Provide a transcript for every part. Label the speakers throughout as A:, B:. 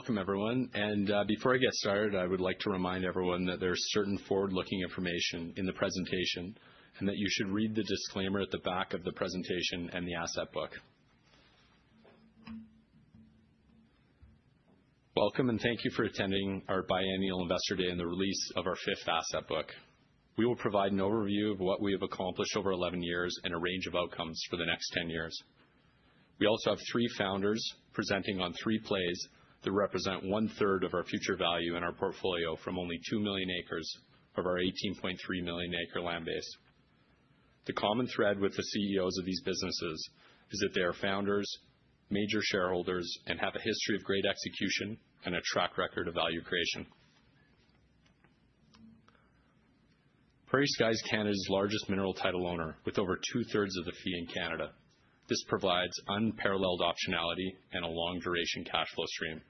A: Welcome, everyone. Before I get started, I would like to remind everyone that there is certain forward-looking information in the presentation and that you should read the disclaimer at the back of the presentation and the asset book. Welcome, and thank you for attending our Biennial Investor Day and the release of our fifth asset book. We will provide an overview of what we have accomplished over 11 years and a range of outcomes for the next 10 years. We also have three founders presenting on three plays that represent one-third of our future value in our portfolio from only 2 million acres of our 18.3 million acre land base. The common thread with the CEOs of these businesses is that they are founders, major shareholders, and have a history of great execution and a track record of value creation. PrairieSky is Canada's largest mineral title owner, with over two-thirds of the fee in Canada. This provides unparalleled optionality and a long-duration cash flow stream.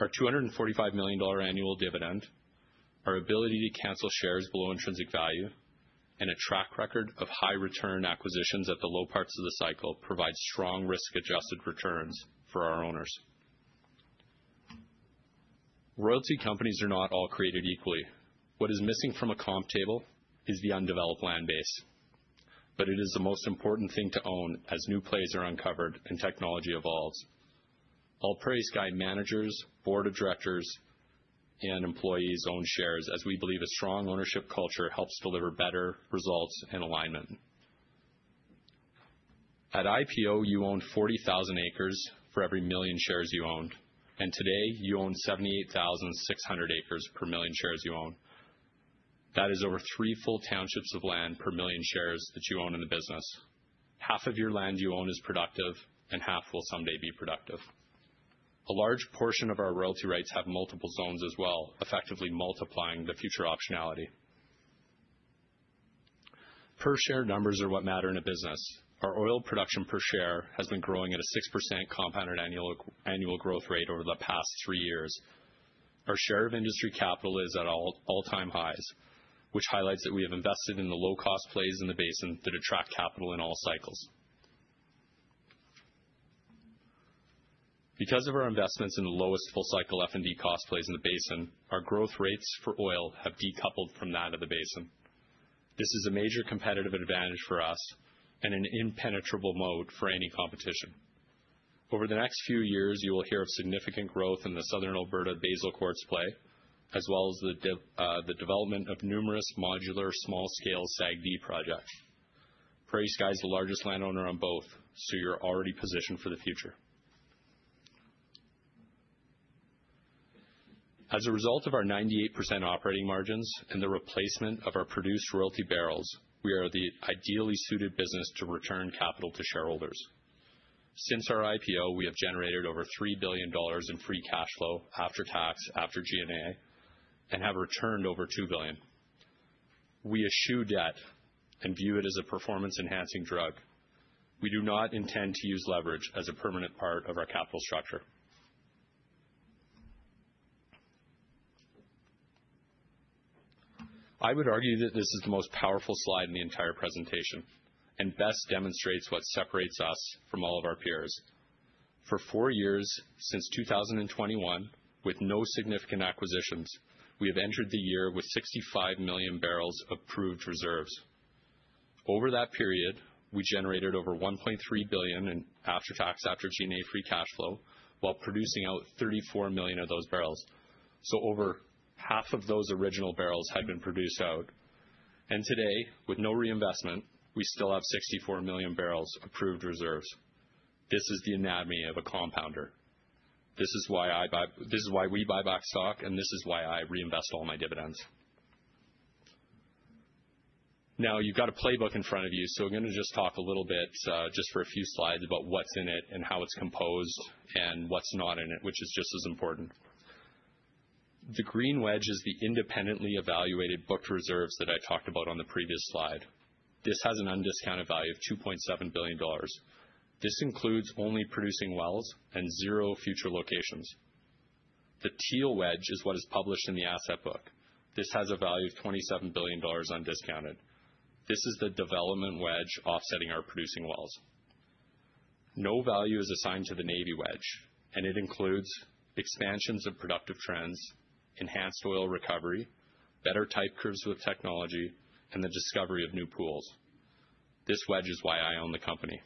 A: Our 245 million dollar annual dividend, our ability to cancel shares below intrinsic value, and a track record of high-return acquisitions at the low parts of the cycle provide strong risk-adjusted returns for our owners. Royalty companies are not all created equally. What is missing from a comp table is the undeveloped land base, but it is the most important thing to own as new plays are uncovered and technology evolves. All PrairieSky managers, board of directors, and employees own shares, as we believe a strong ownership culture helps deliver better results and alignment. At IPO, you owned 40,000 acres for every million shares you owned, and today you own 78,600 acres per million shares you own. That is over three full townships of land per million shares that you own in the business. Half of your land you own is productive, and half will someday be productive. A large portion of our royalty rights have multiple zones as well, effectively multiplying the future optionality. Per-share numbers are what matter in a business. Our oil production per share has been growing at a 6% compounded annual growth rate over the past three years. Our share of industry capital is at all-time highs, which highlights that we have invested in the low-cost plays in the basin that attract capital in all cycles. Because of our investments in the lowest full-cycle F&D cost plays in the basin, our growth rates for oil have decoupled from that of the basin. This is a major competitive advantage for us and an impenetrable moat for any competition. Over the next few years, you will hear of significant growth in the Southern Alberta Basal Quartz play, as well as the development of numerous modular small-scale SAG-D projects. PrairieSky is the largest landowner on both, so you're already positioned for the future. As a result of our 98% operating margins and the replacement of our produced royalty barrels, we are the ideally suited business to return capital to shareholders. Since our IPO, we have generated over 3 billion dollars in free cash flow after tax, after G&A, and have returned over 2 billion. We eschew debt and view it as a performance-enhancing drug. We do not intend to use leverage as a permanent part of our capital structure. I would argue that this is the most powerful slide in the entire presentation and best demonstrates what separates us from all of our peers. For four years, since 2021, with no significant acquisitions, we have entered the year with 65 million barrels of proved reserves. Over that period, we generated over 1.3 billion in after-tax, after G&A free cash flow while producing out 34 million of those barrels. Over half of those original barrels had been produced out. Today, with no reinvestment, we still have 64 million barrels of proved reserves. This is the anatomy of a compounder. This is why we buy back stock, and this is why I reinvest all my dividends. Now, you've got a playbook in front of you, so I'm going to just talk a little bit, just for a few slides, about what's in it and how it's composed and what's not in it, which is just as important. The green wedge is the independently evaluated booked reserves that I talked about on the previous slide. This has an undiscounted value of $2.7 billion. This includes only producing wells and zero future locations. The teal wedge is what is published in the asset book. This has a value of $27 billion undiscounted. This is the development wedge offsetting our producing wells. No value is assigned to the navy wedge, and it includes expansions of productive trends, enhanced oil recovery, better type curves with technology, and the discovery of new pools. This wedge is why I own the company.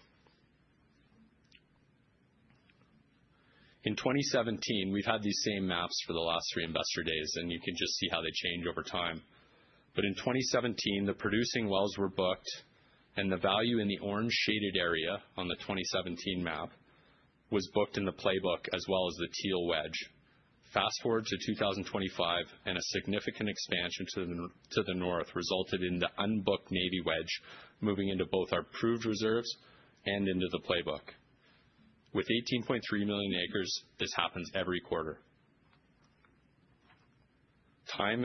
A: In 2017, we've had these same maps for the last three investor days, and you can just see how they change over time. In 2017, the producing wells were booked, and the value in the orange shaded area on the 2017 map was booked in the playbook as well as the teal wedge. Fast forward to 2025, and a significant expansion to the north resulted in the unbooked navy wedge moving into both our proved reserves and into the playbook. With 18.3 million acres, this happens every quarter. Time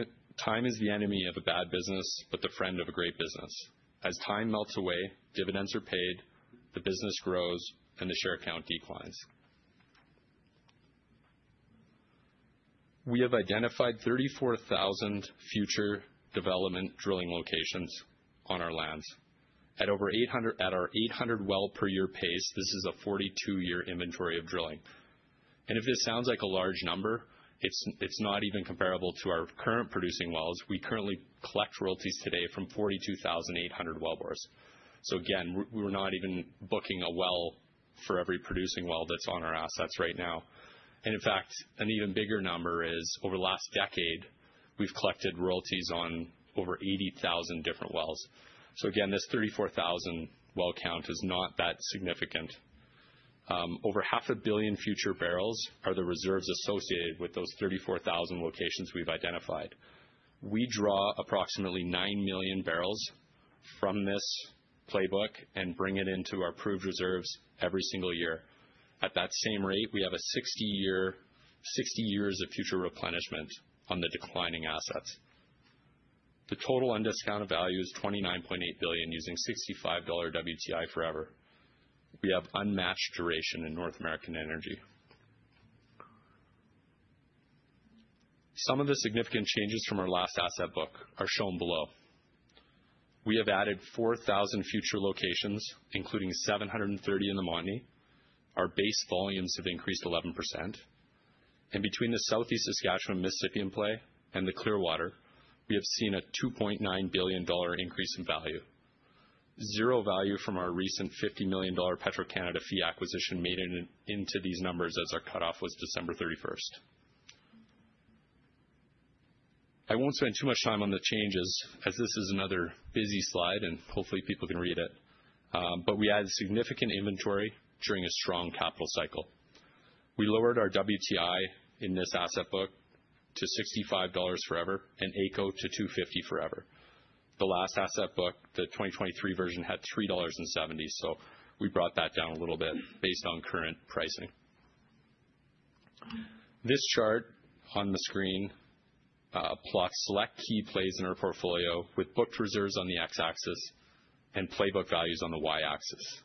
A: is the enemy of a bad business, but the friend of a great business. As time melts away, dividends are paid, the business grows, and the share count declines. We have identified 34,000 future development drilling locations on our lands. At our 800 well per year pace, this is a 42-year inventory of drilling. If this sounds like a large number, it is not even comparable to our current producing wells. We currently collect royalties today from 42,800 wellbores. We are not even booking a well for every producing well that is on our assets right now. In fact, an even bigger number is over the last decade, we've collected royalties on over 80,000 different wells. Again, this 34,000 well count is not that significant. Over half a billion future barrels are the reserves associated with those 34,000 locations we've identified. We draw approximately 9 million barrels from this playbook and bring it into our proved reserves every single year. At that same rate, we have 60 years of future replenishment on the declining assets. The total undiscounted value is 29.8 billion using $65 WTI forever. We have unmatched duration in North American energy. Some of the significant changes from our last asset book are shown below. We have added 4,000 future locations, including 730 in the Montney. Our base volumes have increased 11%. Between the Southeast Saskatchewan Mississippian play and the Clearwater, we have seen a 2.9 billion dollar increase in value. Zero value from our recent 50 million dollar Petro-Canada fee acquisition made into these numbers as our cutoff was December 31, 2023. I won't spend too much time on the changes, as this is another busy slide, and hopefully people can read it. We added significant inventory during a strong capital cycle. We lowered our WTI in this asset book to $65 forever and ACO to 2.50 forever. The last asset book, the 2023 version, had 3.70 dollars, so we brought that down a little bit based on current pricing. This chart on the screen plots select key plays in our portfolio with booked reserves on the X-axis and playbook values on the Y-axis.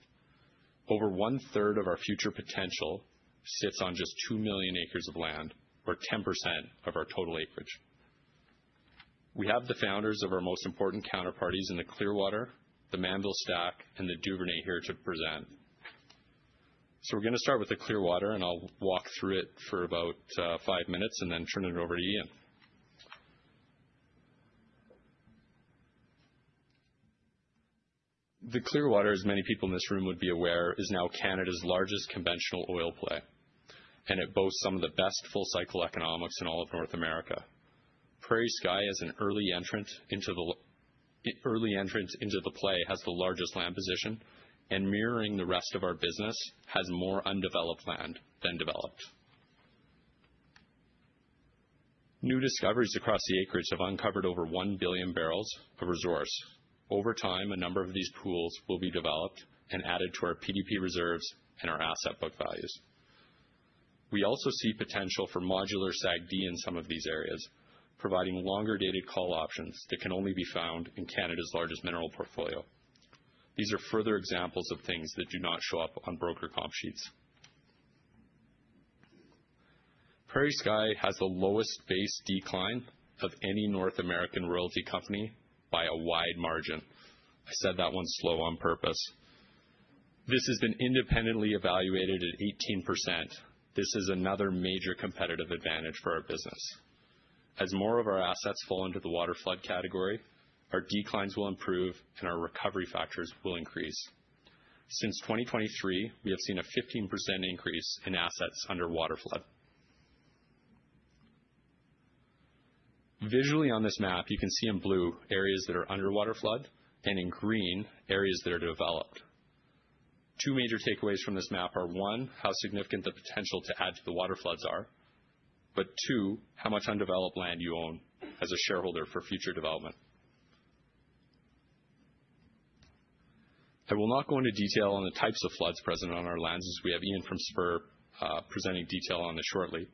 A: Over one-third of our future potential sits on just 2 million acres of land, or 10% of our total acreage. We have the founders of our most important counterparties in the Clearwater, the Mannville Stack, and the Duvernay here to present. We are going to start with the Clearwater, and I will walk through it for about five minutes and then turn it over to Ian. The Clearwater, as many people in this room would be aware, is now Canada's largest conventional oil play, and it boasts some of the best full-cycle economics in all of North America. PrairieSky is an early entrant into the play and has the largest land position, and mirroring the rest of our business has more undeveloped land than developed. New discoveries across the acreage have uncovered over 1 billion barrels of resource. Over time, a number of these pools will be developed and added to our PDP reserves and our asset book values. We also see potential for modular SAG-D in some of these areas, providing longer-dated call options that can only be found in Canada's largest mineral portfolio. These are further examples of things that do not show up on broker comp sheets. PrairieSky has the lowest base decline of any North American royalty company by a wide margin. I said that one slow on purpose. This has been independently evaluated at 18%. This is another major competitive advantage for our business. As more of our assets fall into the water flood category, our declines will improve and our recovery factors will increase. Since 2023, we have seen a 15% increase in assets under water flood. Visually on this map, you can see in blue areas that are under water flood and in green areas that are developed. Two major takeaways from this map are, one, how significant the potential to add to the water floods are, but two, how much undeveloped land you own as a shareholder for future development. I will not go into detail on the types of floods present on our lands, as we have Ian from Spur presenting detail on this shortly.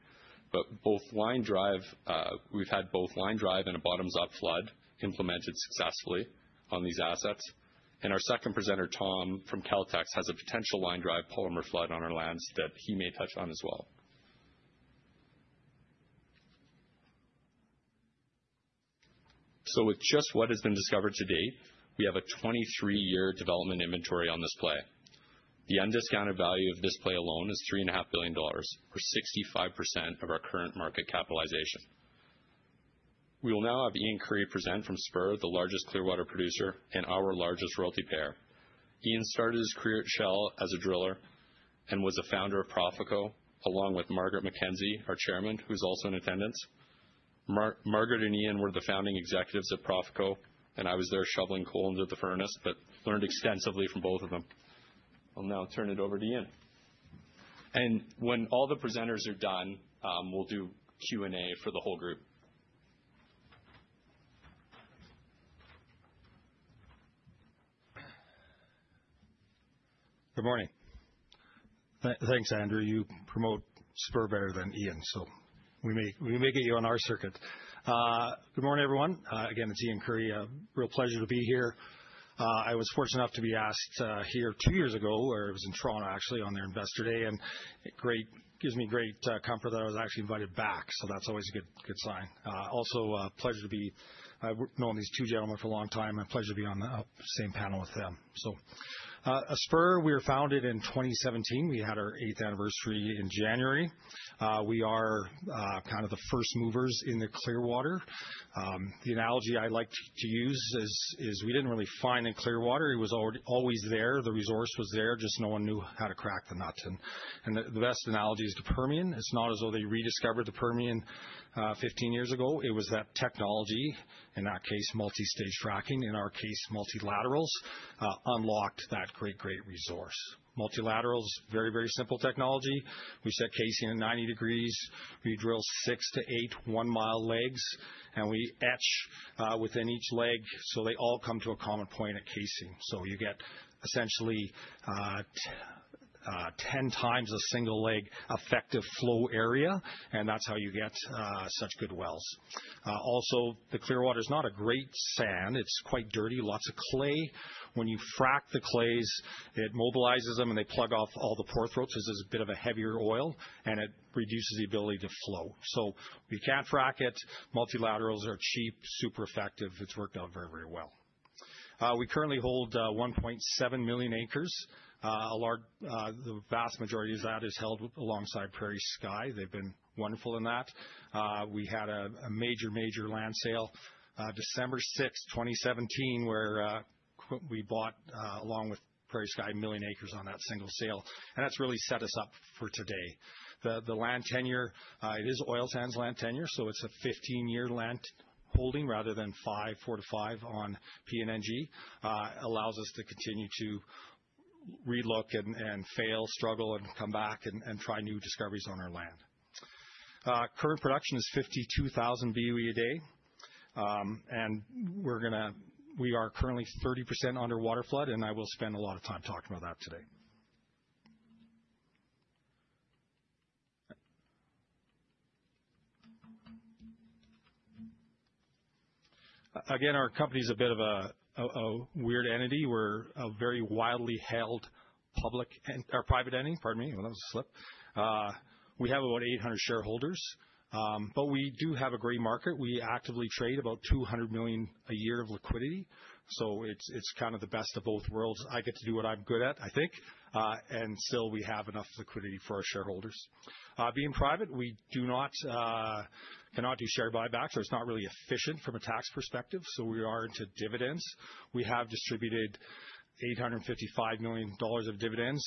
A: But we have had both line drive and a bottoms-up flood implemented successfully on these assets. Our second presenter, Tom from Caltex, has a potential line drive polymer flood on our lands that he may touch on as well. With just what has been discovered to date, we have a 23-year development inventory on this play. The undiscounted value of this play alone is 3.5 billion dollars, or 65% of our current market capitalization. We will now have Ian Curry present from Spur, the largest Clearwater producer and our largest royalty payer. Ian started his career at Shell as a driller and was a founder of Profico, along with Margaret McKenzie, our Chairman, who's also in attendance. Margaret and Ian were the founding executives at Profico, and I was there shoveling coal into the furnace, but learned extensively from both of them. I'll now turn it over to Ian. When all the presenters are done, we'll do Q&A for the whole group.
B: Good morning. Thanks, Andrew. You promote Spur better than Ian, so we may get you on our circuit. Good morning, everyone. Again, it's Ian Curry. A real pleasure to be here. I was fortunate enough to be asked here two years ago, or it was in Toronto actually, on their Investor Day, and it gives me great comfort that I was actually invited back, so that's always a good sign. Also, a pleasure to be knowing these two gentlemen for a long time, and a pleasure to be on the same panel with them. Spur, we were founded in 2017. We had our eighth anniversary in January. We are kind of the first movers in the Clearwater. The analogy I like to use is we did not really find a Clearwater. It was always there. The resource was there, just no one knew how to crack the nut. The best analogy is the Permian. It is not as though they rediscovered the Permian 15 years ago. It was that technology, in that case, multi-stage fracking, in our case, multilaterals, unlocked that great, great resource. Multilaterals, very, very simple technology. We set casing at 90 degrees. We drill six to eight one-mile legs, and we etch within each leg so they all come to a common point at casing. You get essentially 10 times a single leg effective flow area, and that's how you get such good wells. Also, the Clearwater is not a great sand. It's quite dirty, lots of clay. When you frack the clays, it mobilizes them and they plug off all the pore throats as it's a bit of a heavier oil, and it reduces the ability to flow. We can't frack it. Multilaterals are cheap, super effective. It's worked out very, very well. We currently hold 1.7 million acres. The vast majority of that is held alongside PrairieSky. They've been wonderful in that. We had a major, major land sale December 6, 2017, where we bought, along with PrairieSky, a million acres on that single sale. That really set us up for today. The land tenure, it is oil sands land tenure, so it's a 15-year land holding rather than four to five on PNNG, allows us to continue to relook and fail, struggle, and come back and try new discoveries on our land. Current production is 52,000 BOE a day, and we are currently 30% under water flood, and I will spend a lot of time talking about that today. Again, our company is a bit of a weird entity. We're a very widely held public and our private ending, pardon me, that was a slip. We have about 800 shareholders, but we do have a great market. We actively trade about 200 million a year of liquidity, so it's kind of the best of both worlds. I get to do what I'm good at, I think, and still we have enough liquidity for our shareholders. Being private, we cannot do share buybacks, so it's not really efficient from a tax perspective, so we are into dividends. We have distributed 855 million dollars of dividends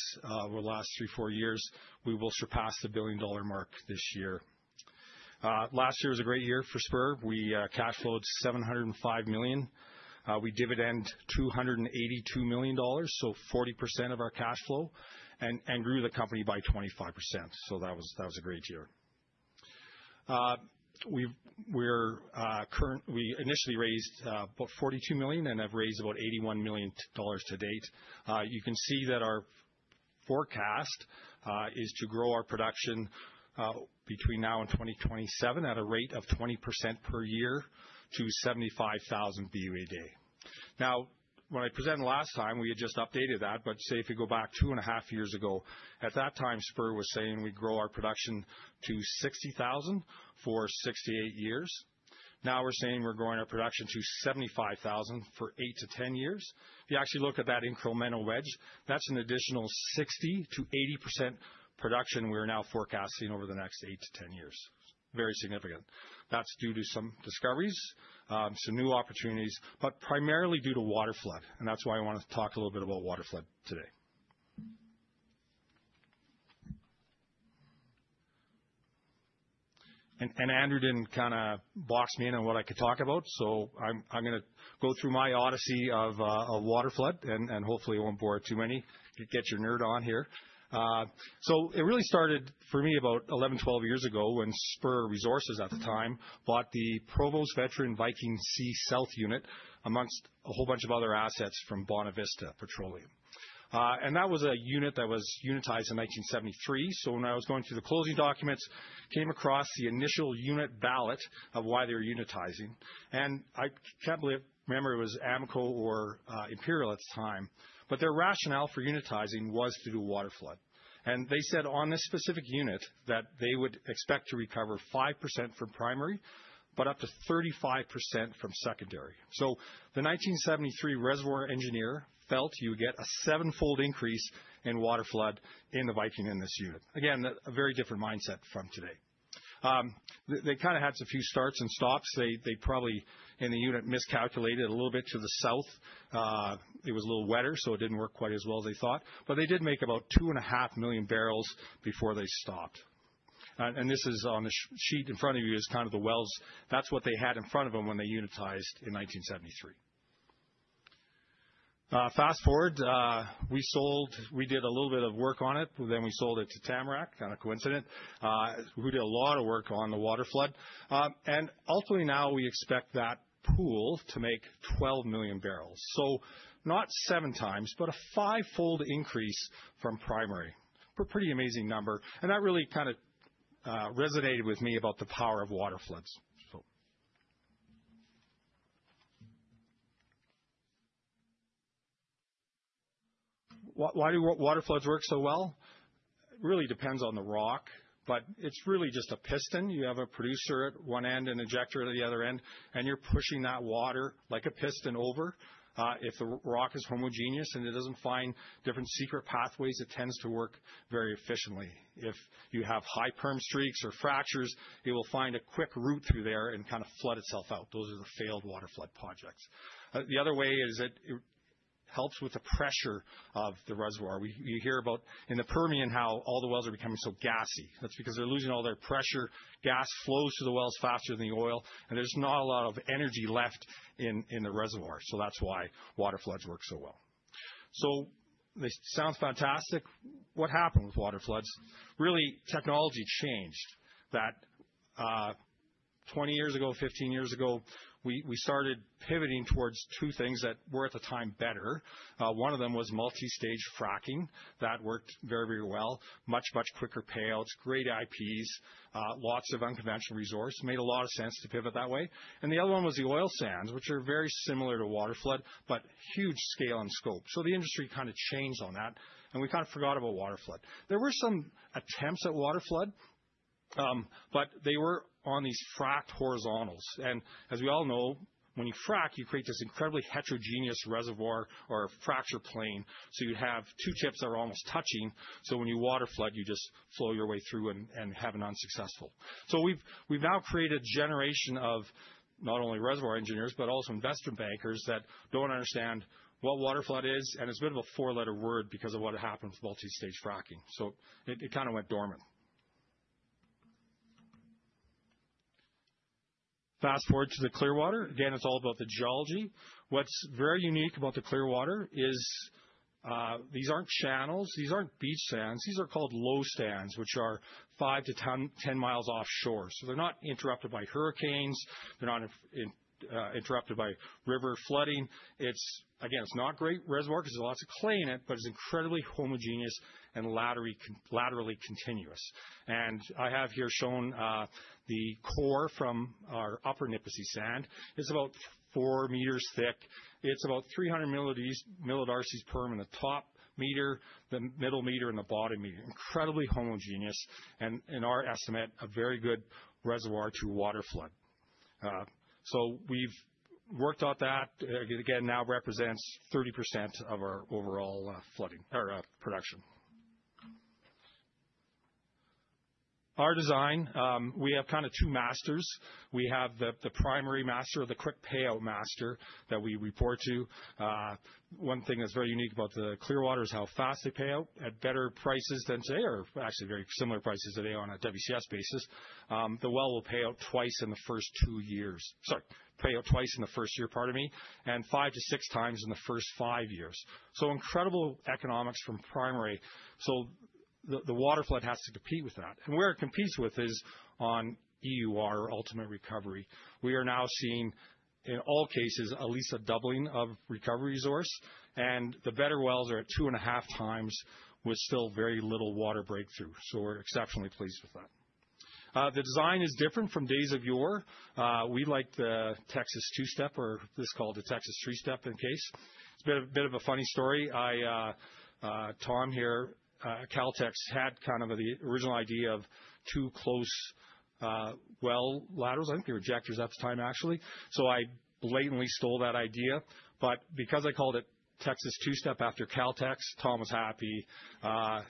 B: over the last three, four years. We will surpass the billion-dollar mark this year. Last year was a great year for Spur. We cash flowed 705 million. We dividend 282 million dollars, so 40% of our cash flow, and grew the company by 25%, so that was a great year. We initially raised about 42 million, and have raised about 81 million dollars to date. You can see that our forecast is to grow our production between now and 2027 at a rate of 20% per year to 75,000 BOE a day. Now, when I presented last time, we had just updated that, but say if you go back two and a half years ago, at that time, Spur was saying we'd grow our production to 60,000 for 6-8 years. Now we're saying we're growing our production to 75,000 for 8-10 years. If you actually look at that incremental wedge, that's an additional 60-80% production we're now forecasting over the next 8-10 years. Very significant. That's due to some discoveries, some new opportunities, but primarily due to water flood, and that's why I want to talk a little bit about water flood today. Andrew did not kind of box me in on what I could talk about, so I am going to go through my odyssey of water flood, and hopefully I will not bore too many. Get your nerd on here. It really started for me about 11-12 years ago when Spur Resources at the time bought the Provost Veteran Viking Sea South Unit amongst a whole bunch of other assets from Bonavista Petroleum. That was a unit that was unitized in 1973, so when I was going through the closing documents, I came across the initial unit ballot of why they were unitizing. I cannot remember if it was Amoco or Imperial Oil at the time, but their rationale for unitizing was to do water flood. They said on this specific unit that they would expect to recover 5% from primary, but up to 35% from secondary. The 1973 reservoir engineer felt you would get a seven-fold increase in water flood in the Viking in this unit. Again, a very different mindset from today. They kind of had some few starts and stops. They probably in the unit miscalculated a little bit to the south. It was a little wetter, so it did not work quite as well as they thought, but they did make about 2.5 million barrels before they stopped. This is on the sheet in front of you, is kind of the wells. That is what they had in front of them when they unitized in 1973. Fast forward, we did a little bit of work on it, then we sold it to Tamarac, kind of coincident, who did a lot of work on the water flood. Ultimately now we expect that pool to make 12 million barrels. Not seven times, but a five-fold increase from primary. Pretty amazing number. That really kind of resonated with me about the power of water floods. Why do water floods work so well? It really depends on the rock, but it's really just a piston. You have a producer at one end and an injector at the other end, and you're pushing that water like a piston over. If the rock is homogeneous and it doesn't find different secret pathways, it tends to work very efficiently. If you have high perm streaks or fractures, it will find a quick route through there and kind of flood itself out. Those are the failed water flood projects. The other way is it helps with the pressure of the reservoir. You hear about in the Permian how all the wells are becoming so gassy. That's because they're losing all their pressure. Gas flows to the wells faster than the oil, and there's not a lot of energy left in the reservoir, so that's why water floods work so well. It sounds fantastic. What happened with water floods? Really, technology changed. Twenty years ago, fifteen years ago, we started pivoting towards two things that were at the time better. One of them was multi-stage fracking. That worked very, very well. Much, much quicker payouts, great IPs, lots of unconventional resource. Made a lot of sense to pivot that way. The other one was the oil sands, which are very similar to water flood, but huge scale and scope. The industry kind of changed on that, and we kind of forgot about water flood. There were some attempts at water flood, but they were on these fracked horizontals. As we all know, when you frack, you create this incredibly heterogeneous reservoir or fracture plane. You have two tips that are almost touching, so when you water flood, you just flow your way through and have an unsuccessful. We have now created a generation of not only reservoir engineers, but also investment bankers that do not understand what water flood is, and it has been a four-letter word because of what happened with multi-stage fracking. It kind of went dormant. Fast forward to the Clearwater. Again, it is all about the geology. What is very unique about the Clearwater is these are not channels. These are not beach sands. These are called low stands, which are 5-10 miles offshore. They are not interrupted by hurricanes. They are not interrupted by river flooding. Again, it's not a great reservoir because there's lots of clay in it, but it's incredibly homogeneous and laterally continuous. I have here shown the core from our upper Nipisi Sand. It's about 4 meters thick. It's about 300 millidarcies perm in the top meter, the middle meter, and the bottom meter. Incredibly homogeneous, and in our estimate, a very good reservoir to water flood. We have worked out that. Again, now represents 30% of our overall flooding or production. Our design, we have kind of two masters. We have the primary master, the quick payout master that we report to. One thing that's very unique about the Clearwater is how fast they pay out at better prices than today, or actually very similar prices today on a WCS basis. The well will pay out twice in the first two years. Sorry, pay out twice in the first year, pardon me, and five to six times in the first five years. Incredible economics from primary. The water flood has to compete with that. Where it competes is on EUR, ultimate recovery. We are now seeing, in all cases, at least a doubling of recovery resource, and the better wells are at two and a half times with still very little water breakthrough. We are exceptionally pleased with that. The design is different from days of yore. We like the Texas two-step, or this is called the Texas three-step in this case. It is a bit of a funny story. Tom here at Caltex had kind of the original idea of two close well laterals. I think they were injectors at the time, actually. I blatantly stole that idea, but because I called it Texas two-step after Caltex, Tom was happy.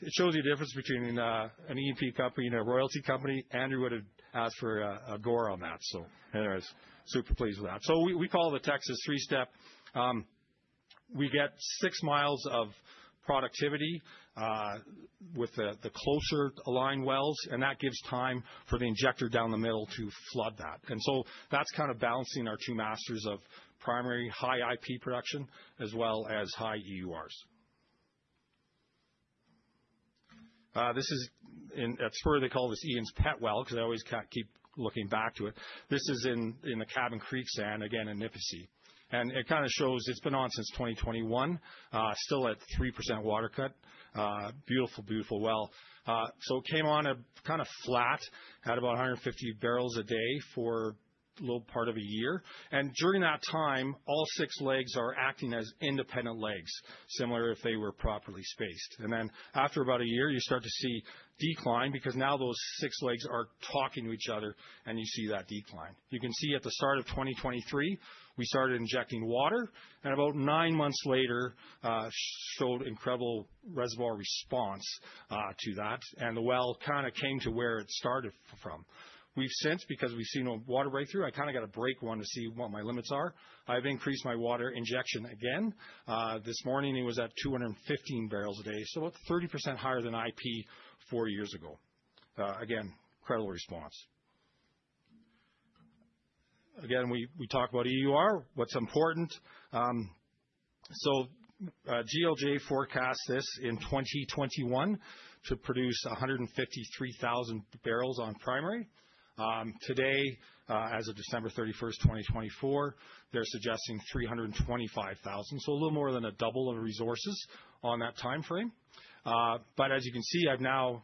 B: It shows you the difference between an E&P company and a royalty company. Andrew would have asked for a GOR on that, so anyways, super pleased with that. We call it the Texas three-step. We get 6 mi of productivity with the closer aligned wells, and that gives time for the injector down the middle to flood that. That is kind of balancing our two masters of primary high IP production as well as high EURs. At Spur, they call this Ian's pet well because I always keep looking back to it. This is in the Cabin Creek Sand, again in Nipisi. It kind of shows it has been on since 2021, still at 3% water cut. Beautiful, beautiful well. It came on kind of flat at about 150 barrels a day for a little part of a year. During that time, all six legs are acting as independent legs, similar if they were properly spaced. After about a year, you start to see decline because now those six legs are talking to each other, and you see that decline. You can see at the start of 2023, we started injecting water, and about nine months later, showed incredible reservoir response to that, and the well kind of came to where it started from. We have since, because we have seen water breakthrough, I kind of got to break one to see what my limits are. I have increased my water injection again. This morning, it was at 215 barrels a day, so about 30% higher than IP four years ago. Again, incredible response. Again, we talk about EUR, what's important. GLJ forecasts this in 2021 to produce 153,000 barrels on primary. Today, as of December 31, 2024, they're suggesting 325,000, so a little more than a double of resources on that timeframe. As you can see, I've now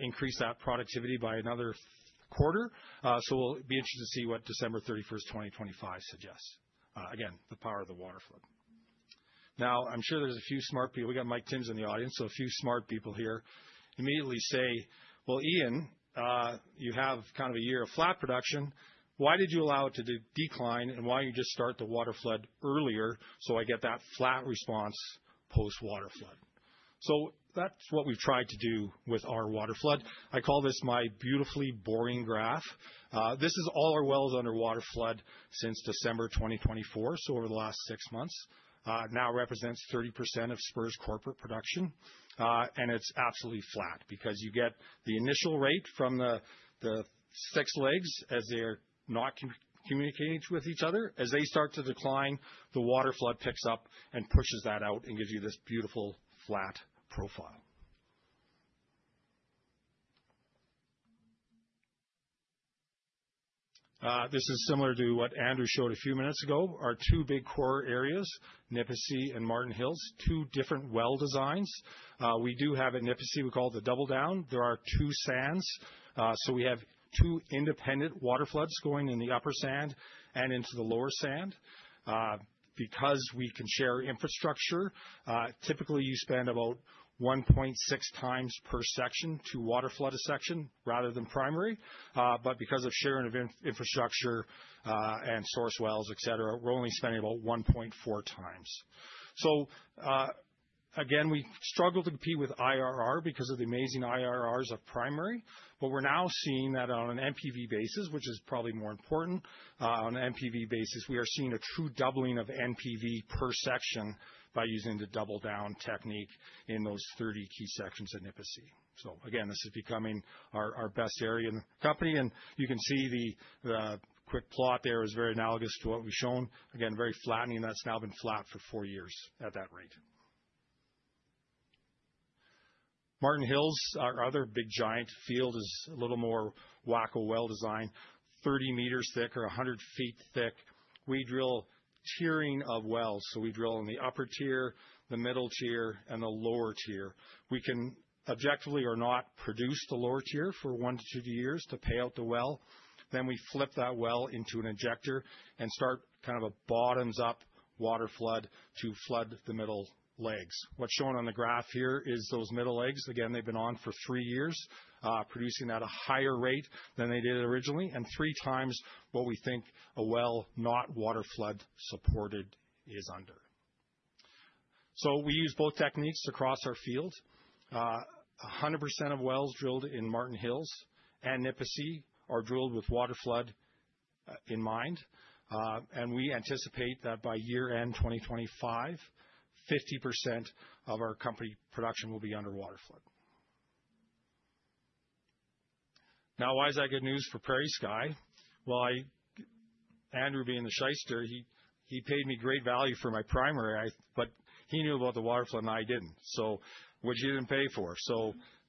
B: increased that productivity by another quarter, so we'll be interested to see what December 31, 2025 suggests. Again, the power of the water flood. I'm sure there's a few smart people. We got Mike Timms in the audience, so a few smart people here immediately say, "Ian, you have kind of a year of flat production. Why did you allow it to decline? Why don't you just start the water flood earlier so I get that flat response post-water flood?" That's what we've tried to do with our water flood. I call this my beautifully boring graph. This is all our wells under water flood since December 2024, so over the last six months. Now it represents 30% of Spur's corporate production, and it's absolutely flat because you get the initial rate from the six legs as they're not communicating with each other. As they start to decline, the water flood picks up and pushes that out and gives you this beautiful flat profile. This is similar to what Andrew showed a few minutes ago. Our two big core areas, Nipisi and Martens Hills, two different well designs. We do have at Nipisi, we call it the double down. There are two sands, so we have two independent water floods going in the upper sand and into the lower sand. Because we can share infrastructure, typically you spend about 1.6 times per section to water flood a section rather than primary, but because of sharing of infrastructure and source wells, etc., we're only spending about 1.4 times. Again, we struggled to compete with IRR because of the amazing IRRs of primary, but we're now seeing that on an NPV basis, which is probably more important. On an NPV basis, we are seeing a true doubling of NPV per section by using the double down technique in those 30 key sections at Nipisi. Again, this is becoming our best area in the company, and you can see the quick plot there is very analogous to what we've shown. Again, very flattening, and that's now been flat for four years at that rate. Martens Hills, our other big giant field, is a little more wacko well design, 30 meters thick or 100 feet thick. We drill tiering of wells, so we drill in the upper tier, the middle tier, and the lower tier. We can objectively or not produce the lower tier for one to two years to pay out the well. Then we flip that well into an injector and start kind of a bottoms-up water flood to flood the middle legs. What's shown on the graph here is those middle legs. Again, they've been on for three years, producing at a higher rate than they did originally, and three times what we think a well not water flood supported is under. We use both techniques across our field. 100% of wells drilled in Martens Hills and Nipisi are drilled with water flood in mind, and we anticipate that by year-end 2025, 50% of our company production will be under water flood. Now, why is that good news for PrairieSky? Andrew, being the shyster, he paid me great value for my primary, but he knew about the water flood and I did not, which he did not pay for.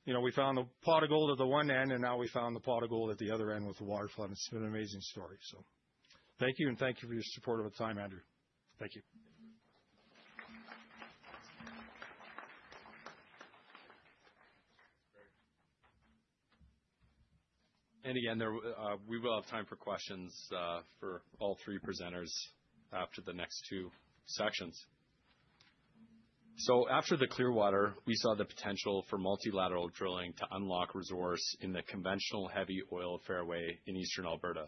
B: We found the pot of gold at the one end, and now we found the pot of gold at the other end with the water flood. It has been an amazing story, so thank you, and thank you for your support of the time, Andrew. Thank you.
A: Again, we will have time for questions for all three presenters after the next two sections. After the Clearwater, we saw the potential for multilateral drilling to unlock resource in the conventional heavy oil fairway in Eastern Alberta.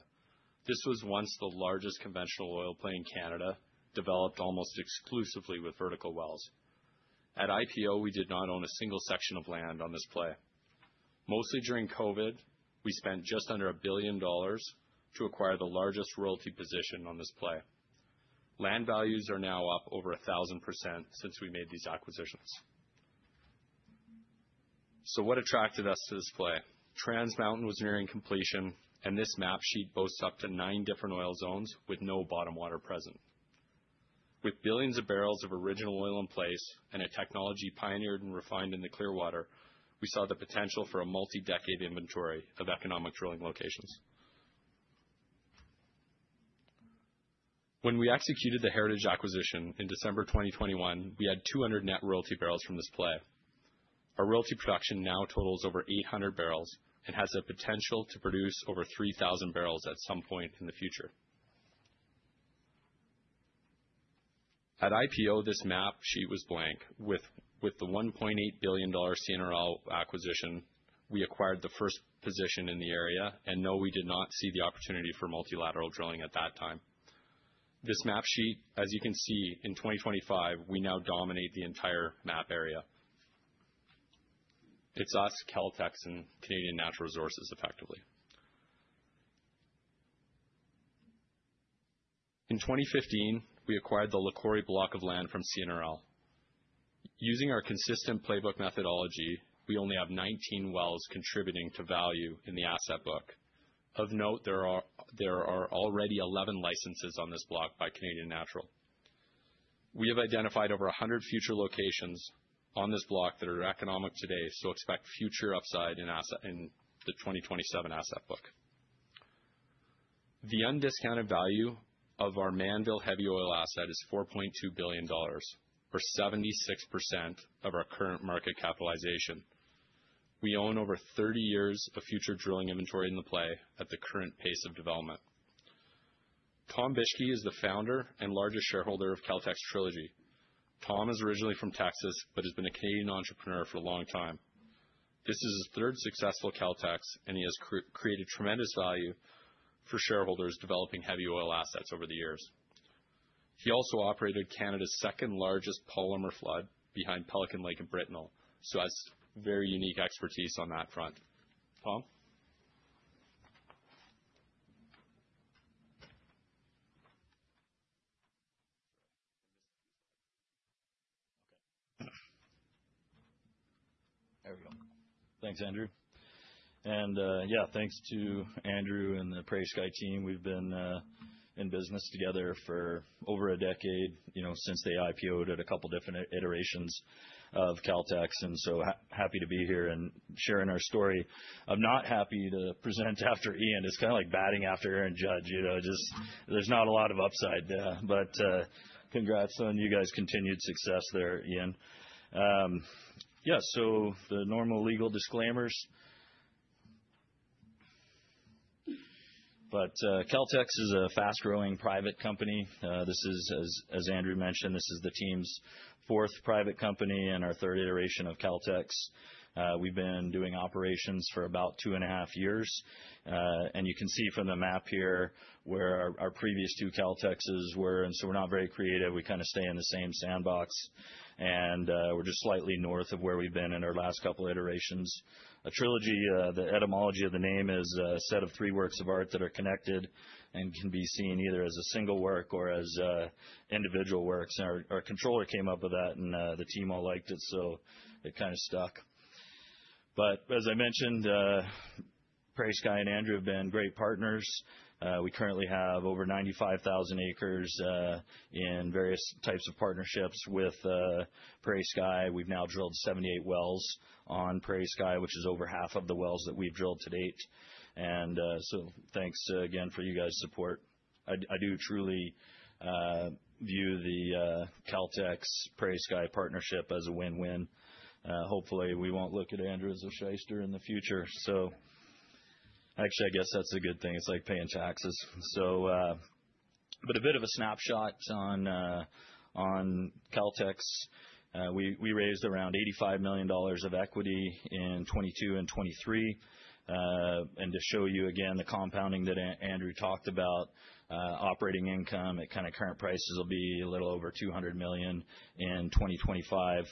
A: This was once the largest conventional oil play in Canada, developed almost exclusively with vertical wells. At IPO, we did not own a single section of land on this play. Mostly during COVID, we spent just under 1 billion dollars to acquire the largest royalty position on this play. Land values are now up over 1,000% since we made these acquisitions. What attracted us to this play? Trans Mountain was nearing completion, and this map sheet boasts up to nine different oil zones with no bottom water present. With billions of barrels of original oil in place and a technology pioneered and refined in the Clearwater, we saw the potential for a multi-decade inventory of economic drilling locations. When we executed the heritage acquisition in December 2021, we had 200 net royalty barrels from this play. Our royalty production now totals over 800 barrels and has the potential to produce over 3,000 barrels at some point in the future. At IPO, this map sheet was blank. With the 1.8 billion dollar CNRL acquisition, we acquired the first position in the area, and no, we did not see the opportunity for multilateral drilling at that time. This map sheet, as you can see, in 2025, we now dominate the entire map area. It is us, Caltex Trilogy, and Canadian Natural Resources effectively. In 2015, we acquired the Lacouri block of land from CNRL. Using our consistent playbook methodology, we only have 19 wells contributing to value in the asset book. Of note, there are already 11 licenses on this block by Canadian Natural Resources. We have identified over 100 future locations on this block that are economic today, so expect future upside in the 2027 asset book. The undiscounted value of our Mannville heavy oil asset is 4.2 billion dollars, or 76% of our current market capitalization. We own over 30 years of future drilling inventory in the play at the current pace of development. Tom Bishkey is the founder and largest shareholder of Caltex Trilogy. Tom is originally from Texas but has been a Canadian entrepreneur for a long time. This is his third successful Caltex, and he has created tremendous value for shareholders developing heavy oil assets over the years. He also operated Canada's second largest polymer flood behind Pelican Lake and Brittnell, so has very unique expertise on that front. Tom?
C: Okay. There we go. Thanks, Andrew. And yeah, thanks to Andrew and the PrairieSky team. We've been in business together for over a decade since they IPO'd at a couple of different iterations of Caltex, and so happy to be here and sharing our story. I'm not happy to present after Ian. It's kind of like batting after Aaron Judge. There's not a lot of upside, but congrats on you guys' continued success there, Ian. Yeah, the normal legal disclaimers. Caltex is a fast-growing private company. As Andrew mentioned, this is the team's fourth private company and our third iteration of Caltex. We've been doing operations for about two and a half years, and you can see from the map here where our previous two Caltexes were, and we're not very creative. We kind of stay in the same sandbox, and we're just slightly north of where we've been in our last couple of iterations. The etymology of the name is a set of three works of art that are connected and can be seen either as a single work or as individual works. Our controller came up with that, and the team all liked it, so it kind of stuck. As I mentioned, PrairieSky and Andrew have been great partners. We currently have over 95,000 acres in various types of partnerships with PrairieSky. We have now drilled 78 wells on PrairieSky, which is over half of the wells that we have drilled to date. Thanks again for you guys' support. I do truly view the Caltex-PrairieSky partnership as a win-win. Hopefully, we will not look at Andrew as a shyster in the future. Actually, I guess that is a good thing. It is like paying taxes. A bit of a snapshot on Caltex. We raised around 85 million dollars of equity in 2022 and 2023. To show you again the compounding that Andrew talked about, operating income at kind of current prices will be a little over 200 million in 2025.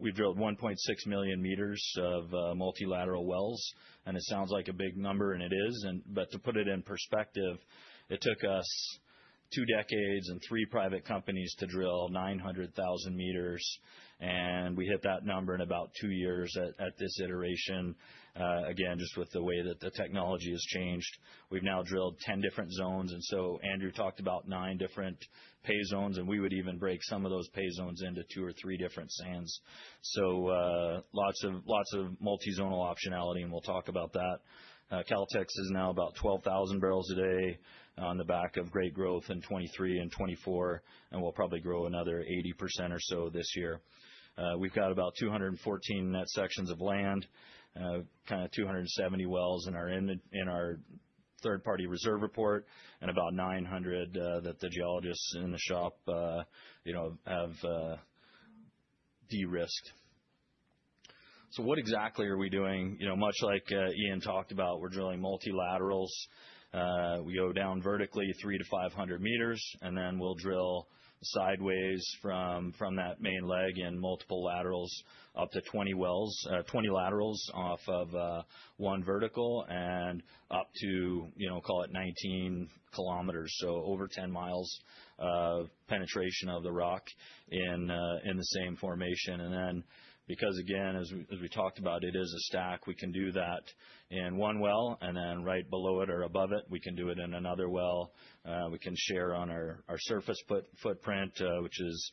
C: We have drilled 1.6 million meters of multilateral wells, and it sounds like a big number, and it is. To put it in perspective, it took us two decades and three private companies to drill 900,000 meters, and we hit that number in about two years at this iteration. Just with the way that the technology has changed, we have now drilled 10 different zones. Andrew talked about nine different pay zones, and we would even break some of those pay zones into two or three different sands. Lots of multi-zonal optionality, and we will talk about that. Caltex is now about 12,000 barrels a day on the back of great growth in 2023 and 2024, and we'll probably grow another 80% or so this year. We've got about 214 net sections of land, kind of 270 wells in our third-party reserve report, and about 900 that the geologists in the shop have de-risked. So what exactly are we doing? Much like Ian talked about, we're drilling multilaterals. We go down vertically 3-500 meters, and then we'll drill sideways from that main leg in multiple laterals up to 20 laterals off of one vertical and up to, call it, 19 kilometers, so over 10 mi of penetration of the rock in the same formation. Because, again, as we talked about, it is a stack, we can do that in one well, and then right below it or above it, we can do it in another well. We can share on our surface footprint, which is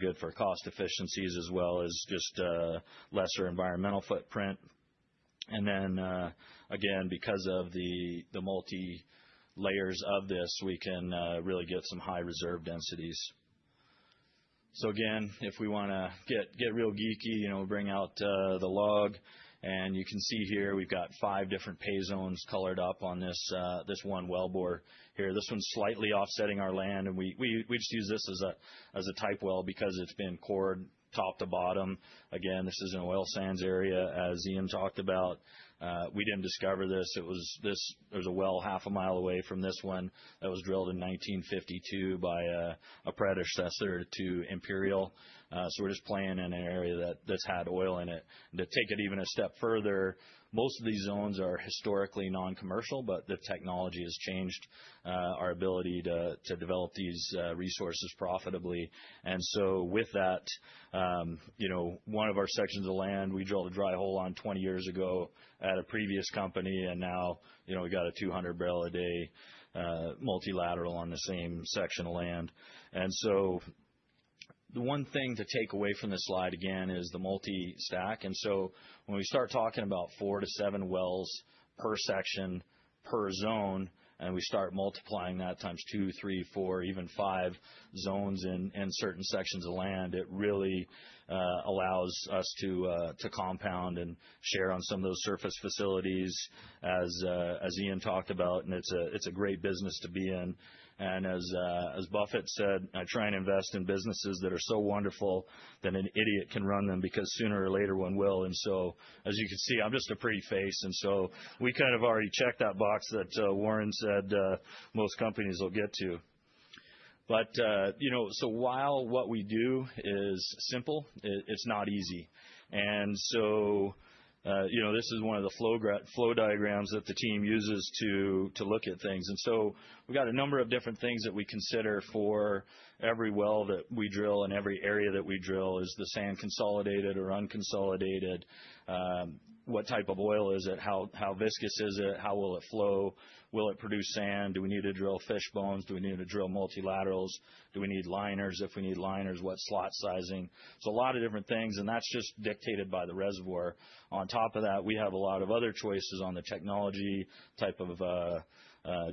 C: good for cost efficiencies as well as just lesser environmental footprint. Again, because of the multi-layers of this, we can really get some high reserve densities. If we want to get real geeky, we'll bring out the log, and you can see here we've got five different pay zones colored up on this one well bore here. This one is slightly offsetting our land, and we just use this as a type well because it's been cored top to bottom. This is an oil sands area, as Ian talked about. We didn't discover this. is a well half a mile away from this one that was drilled in 1952 by a predecessor to Imperial Oil. We are just playing in an area that has had oil in it. To take it even a step further, most of these zones are historically non-commercial, but the technology has changed our ability to develop these resources profitably. With that, one of our sections of land, we drilled a dry hole on 20 years ago at a previous company, and now we have a 200-barrel-a-day multilateral on the same section of land. The one thing to take away from this slide again is the multi-stack. When we start talking about four to seven wells per section per zone, and we start multiplying that times two, three, four, even five zones in certain sections of land, it really allows us to compound and share on some of those surface facilities, as Ian talked about, and it is a great business to be in. As Buffett said, "I try and invest in businesses that are so wonderful that an idiot can run them because sooner or later one will." As you can see, I am just a pretty face, and we kind of already checked that box that Warren said most companies will get to. While what we do is simple, it is not easy. This is one of the flow diagrams that the team uses to look at things. We have a number of different things that we consider for every well that we drill and every area that we drill. Is the sand consolidated or unconsolidated? What type of oil is it? How viscous is it? How will it flow? Will it produce sand? Do we need to drill fish bones? Do we need to drill multilaterals? Do we need liners? If we need liners, what slot sizing? A lot of different things, and that is just dictated by the reservoir. On top of that, we have a lot of other choices on the technology type of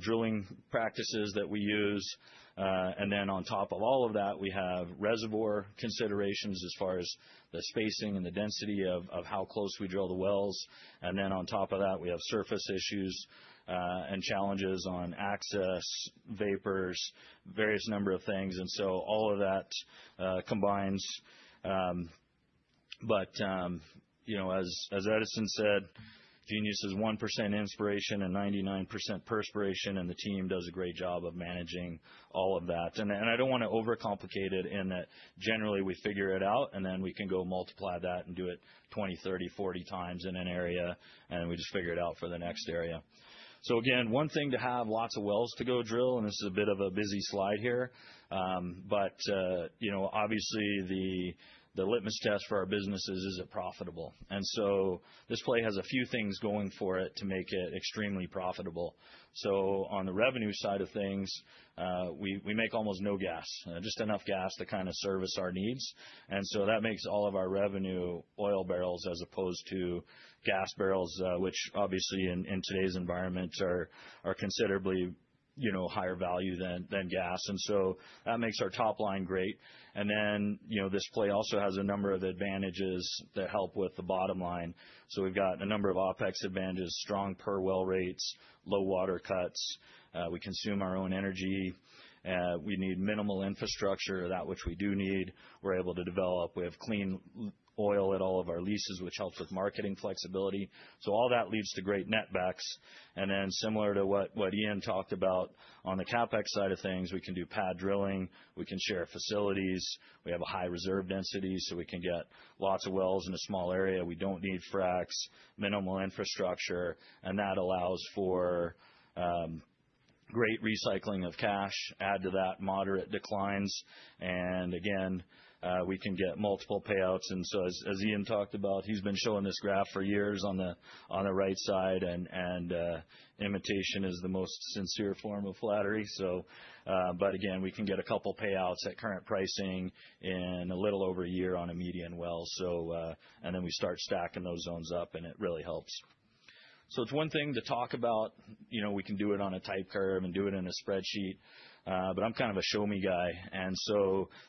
C: drilling practices that we use. On top of all of that, we have reservoir considerations as far as the spacing and the density of how close we drill the wells. On top of that, we have surface issues and challenges on access, vapors, various number of things. All of that combines. As Edison said, "Genius is 1% inspiration and 99% perspiration," and the team does a great job of managing all of that. I do not want to overcomplicate it in that generally we figure it out, and then we can go multiply that and do it 20, 30, 40 times in an area, and then we just figure it out for the next area. Again, one thing to have lots of wells to go drill, and this is a bit of a busy slide here, but obviously the litmus test for our business is, is it profitable. This play has a few things going for it to make it extremely profitable. On the revenue side of things, we make almost no gas, just enough gas to kind of service our needs. That makes all of our revenue oil barrels as opposed to gas barrels, which obviously in today's environment are considerably higher value than gas. That makes our top line great. This play also has a number of advantages that help with the bottom line. We have a number of OpEx advantages, strong per well rates, low water cuts. We consume our own energy. We need minimal infrastructure, that which we do need, we are able to develop. We have clean oil at all of our leases, which helps with marketing flexibility. All that leads to great netbacks. Similar to what Ian talked about on the CapEx side of things, we can do pad drilling. We can share facilities. We have a high reserve density, so we can get lots of wells in a small area. We do not need fracs, minimal infrastructure, and that allows for great recycling of cash, add to that moderate declines. Again, we can get multiple payouts. As Ian talked about, he has been showing this graph for years on the right side, and imitation is the most sincere form of flattery. Again, we can get a couple payouts at current pricing in a little over a year on a median well. We start stacking those zones up, and it really helps. It is one thing to talk about. We can do it on a type curve and do it in a spreadsheet, but I am kind of a show-me guy.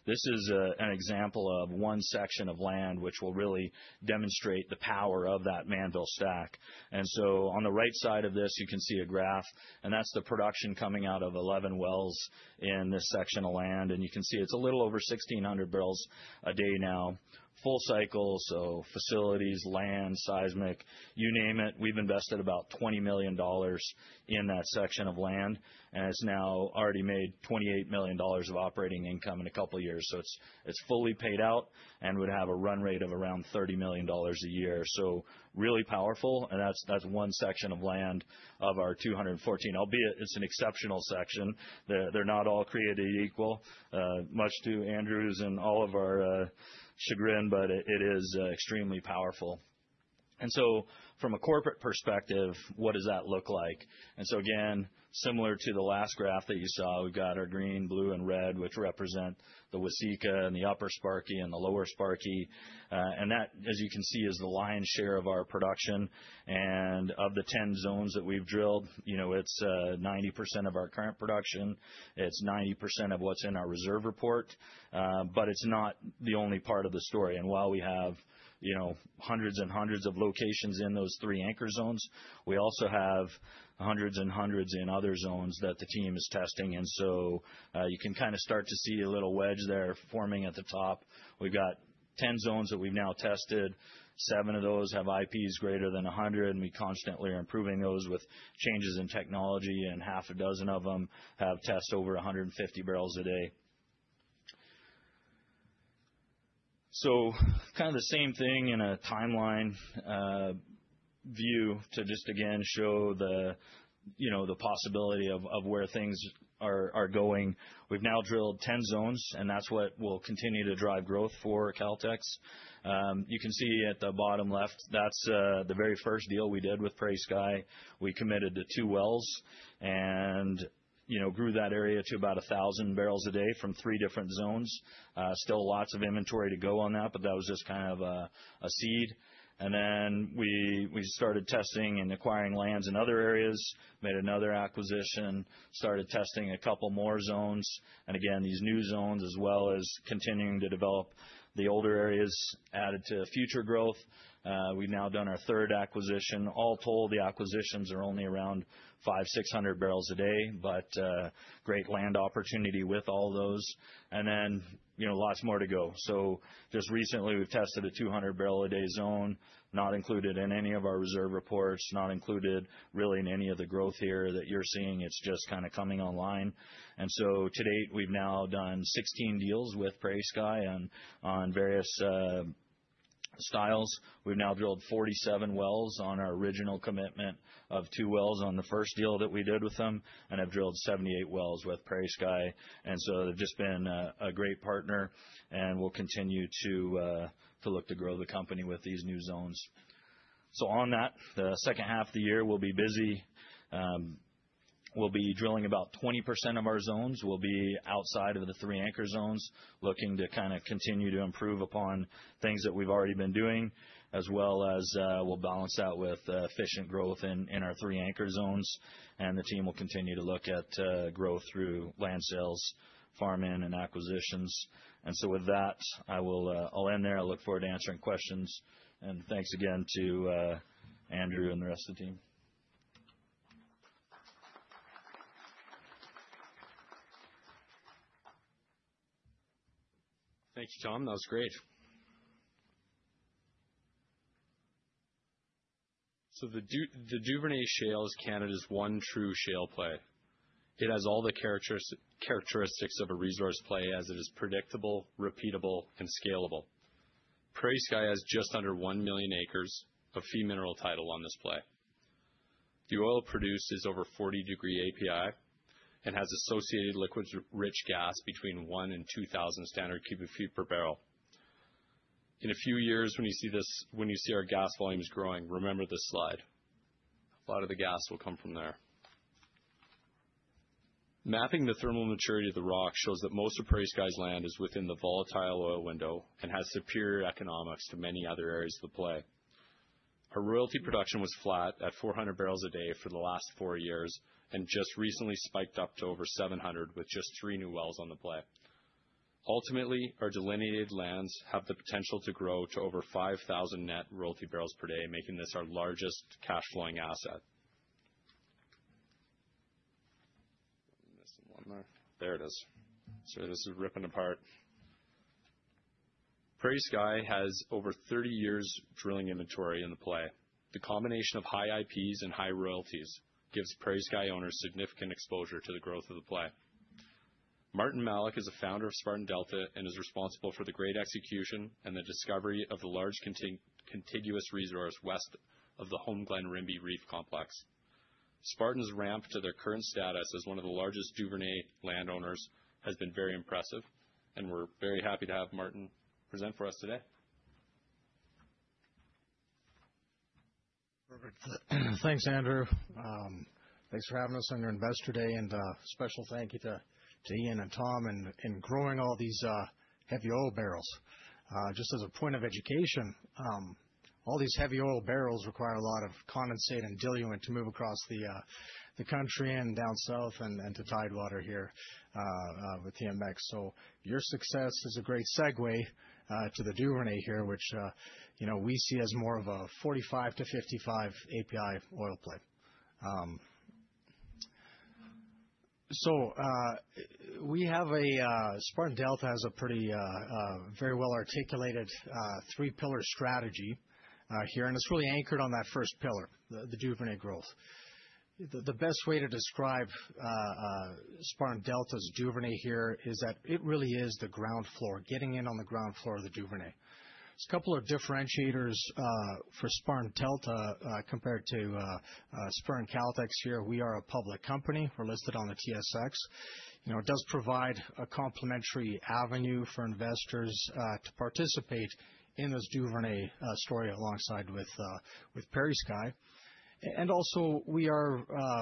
C: This is an example of one section of land which will really demonstrate the power of that Mannville stack. On the right side of this, you can see a graph, and that is the production coming out of 11 wells in this section of land. You can see it is a little over 1,600 barrels a day now, full cycle, so facilities, land, seismic, you name it. We have invested about 20 million dollars in that section of land, and it has now already made 28 million dollars of operating income in a couple of years. It is fully paid out and would have a run rate of around 30 million dollars a year. Really powerful. That is one section of land of our 214, albeit it is an exceptional section. They are not all created equal, much to Andrew's and all of our chagrin, but it is extremely powerful. From a corporate perspective, what does that look like? Again, similar to the last graph that you saw, we have our green, blue, and red, which represent the Waseca and the Upper Sparky and the Lower Sparky. That, as you can see, is the lion's share of our production. Of the 10 zones that we have drilled, it is 90% of our current production. It is 90% of what is in our reserve report, but it is not the only part of the story. While we have hundreds and hundreds of locations in those three anchor zones, we also have hundreds and hundreds in other zones that the team is testing. You can kind of start to see a little wedge there forming at the top. We have 10 zones that we have now tested. Seven of those have IPs greater than 100, and we constantly are improving those with changes in technology, and half a dozen of them have tests over 150 barrels a day. Kind of the same thing in a timeline view to just, again, show the possibility of where things are going. We have now drilled 10 zones, and that is what will continue to drive growth for Caltex. You can see at the bottom left, that is the very first deal we did with PrairieSky. We committed to two wells and grew that area to about 1,000 barrels a day from three different zones. Still lots of inventory to go on that, but that was just kind of a seed. We started testing and acquiring lands in other areas, made another acquisition, started testing a couple more zones. Again, these new zones, as well as continuing to develop the older areas, added to future growth. We've now done our third acquisition. All told, the acquisitions are only around 5,600 barrels a day, but great land opportunity with all those. There is lots more to go. Just recently, we've tested a 200-barrel-a-day zone, not included in any of our reserve reports, not included really in any of the growth here that you're seeing. It's just kind of coming online. To date, we've now done 16 deals with PrairieSky on various styles. We've now drilled 47 wells on our original commitment of two wells on the first deal that we did with them, and have drilled 78 wells with PrairieSky. They have just been a great partner and will continue to look to grow the company with these new zones. On that, the second half of the year will be busy. We'll be drilling about 20% of our zones. We'll be outside of the three anchor zones looking to kind of continue to improve upon things that we've already been doing, as well as we'll balance that with efficient growth in our three anchor zones. The team will continue to look at growth through land sales, farm in, and acquisitions. With that, I'll end there. I look forward to answering questions. Thanks again to Andrew and the rest of the team.
A: Thank you, Tom. That was great. The Duvernay Shale is Canada's one true shale play. It has all the characteristics of a resource play as it is predictable, repeatable, and scalable. PrairieSky has just under 1 million acres of fee mineral title on this play. The oil produced is over 40-degree API and has associated liquids rich gas between 1,000 and 2,000 standard cubic feet per barrel. In a few years, when you see our gas volumes growing, remember this slide. A lot of the gas will come from there. Mapping the thermal maturity of the rock shows that most of PrairieSky's land is within the volatile oil window and has superior economics to many other areas of the play. Our royalty production was flat at 400 barrels a day for the last four years and just recently spiked up to over 700 with just three new wells on the play. Ultimately, our delineated lands have the potential to grow to over 5,000 net royalty barrels per day, making this our largest cash-flowing asset. There it is. Sorry, this is ripping apart. PrairieSky has over 30 years' drilling inventory in the play. The combination of high IPs and high royalties gives PrairieSky owners significant exposure to the growth of the play. Martin Malik is a founder of Spartan Delta and is responsible for the great execution and the discovery of the large contiguous resource west of the Homeglen-Rimbey Reef Complex. Spartan's ramp to their current status as one of the largest Duvernay landowners has been very impressive, and we're very happy to have Martin present for us today.
D: Perfect. Thanks, Andrew. Thanks for having us on your investor day. A special thank you to Ian and Tom in growing all these heavy oil barrels. Just as a point of education, all these heavy oil barrels require a lot of condensate and diluent to move across the country and down south and to tidewater here with TMX. Your success is a great segue to the Duvernay here, which we see as more of a 45-55 API oil play. Spartan Delta has a pretty very well-articulated three-pillar strategy here, and it is really anchored on that first pillar, the Duvernay growth. The best way to describe Spartan Delta's Duvernay here is that it really is the ground floor, getting in on the ground floor of the Duvernay. There are a couple of differentiators for Spartan Delta compared to Spartan Caltex here. We are a public company. We're listed on the TSX. It does provide a complimentary avenue for investors to participate in this Duvernay story alongside with PrairieSky. Also, we are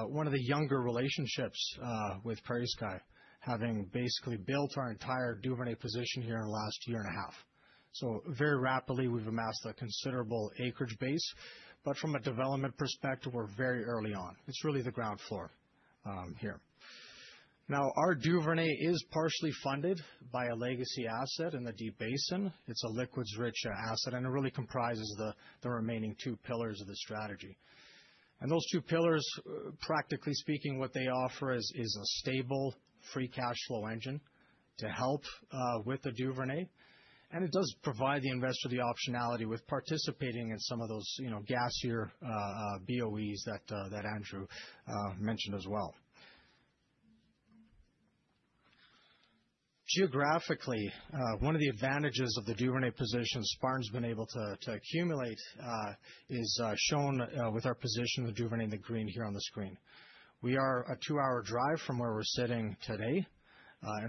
D: one of the younger relationships with PrairieSky, having basically built our entire Duvernay position here in the last year and a half. Very rapidly, we've amassed a considerable acreage base, but from a development perspective, we're very early on. It's really the ground floor here. Now, our Duvernay is partially funded by a legacy asset in the Deep Basin. It's a liquids-rich asset, and it really comprises the remaining two pillars of the strategy. Those two pillars, practically speaking, what they offer is a stable free cash flow engine to help with the Duvernay. It does provide the investor the optionality with participating in some of those gasier BOEs that Andrew mentioned as well. Geographically, one of the advantages of the Duvernay position Spartan's been able to accumulate is shown with our position, the Duvernay in the green here on the screen. We are a two-hour drive from where we're sitting today.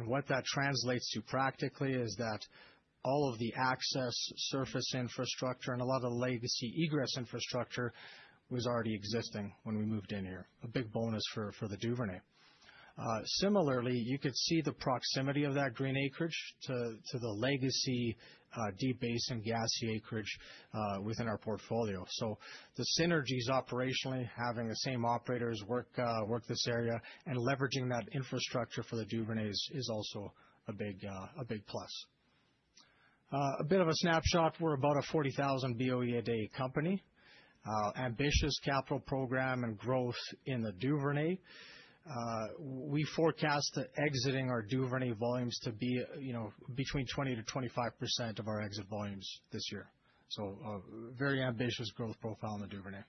D: What that translates to practically is that all of the access surface infrastructure and a lot of legacy egress infrastructure was already existing when we moved in here, a big bonus for the Duvernay. Similarly, you could see the proximity of that green acreage to the legacy deep basin gas acreage within our portfolio. The synergies operationally, having the same operators work this area and leveraging that infrastructure for the Duvernay is also a big plus. A bit of a snapshot, we're about a 40,000 BOE a day company. Ambitious capital program and growth in the Duvernay. We forecast exiting our Duvernay volumes to be between 20%-25% of our exit volumes this year. Very ambitious growth profile in the Duvernay.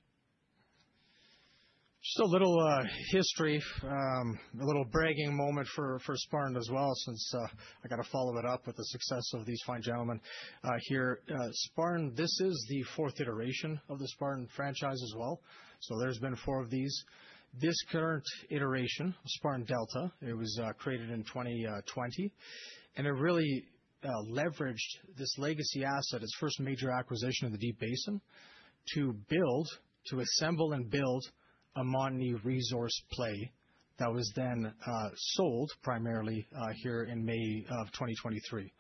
D: Just a little history, a little bragging moment for Spartan as well, since I got to follow it up with the success of these fine gentlemen here. Spartan, this is the fourth iteration of the Spartan franchise as well. There have been four of these. This current iteration, Spartan Delta, was created in 2020. It really leveraged this legacy asset, its first major acquisition in the Deep Basin, to build, to assemble and build a Montney resource play that was then sold primarily here in May of 2023.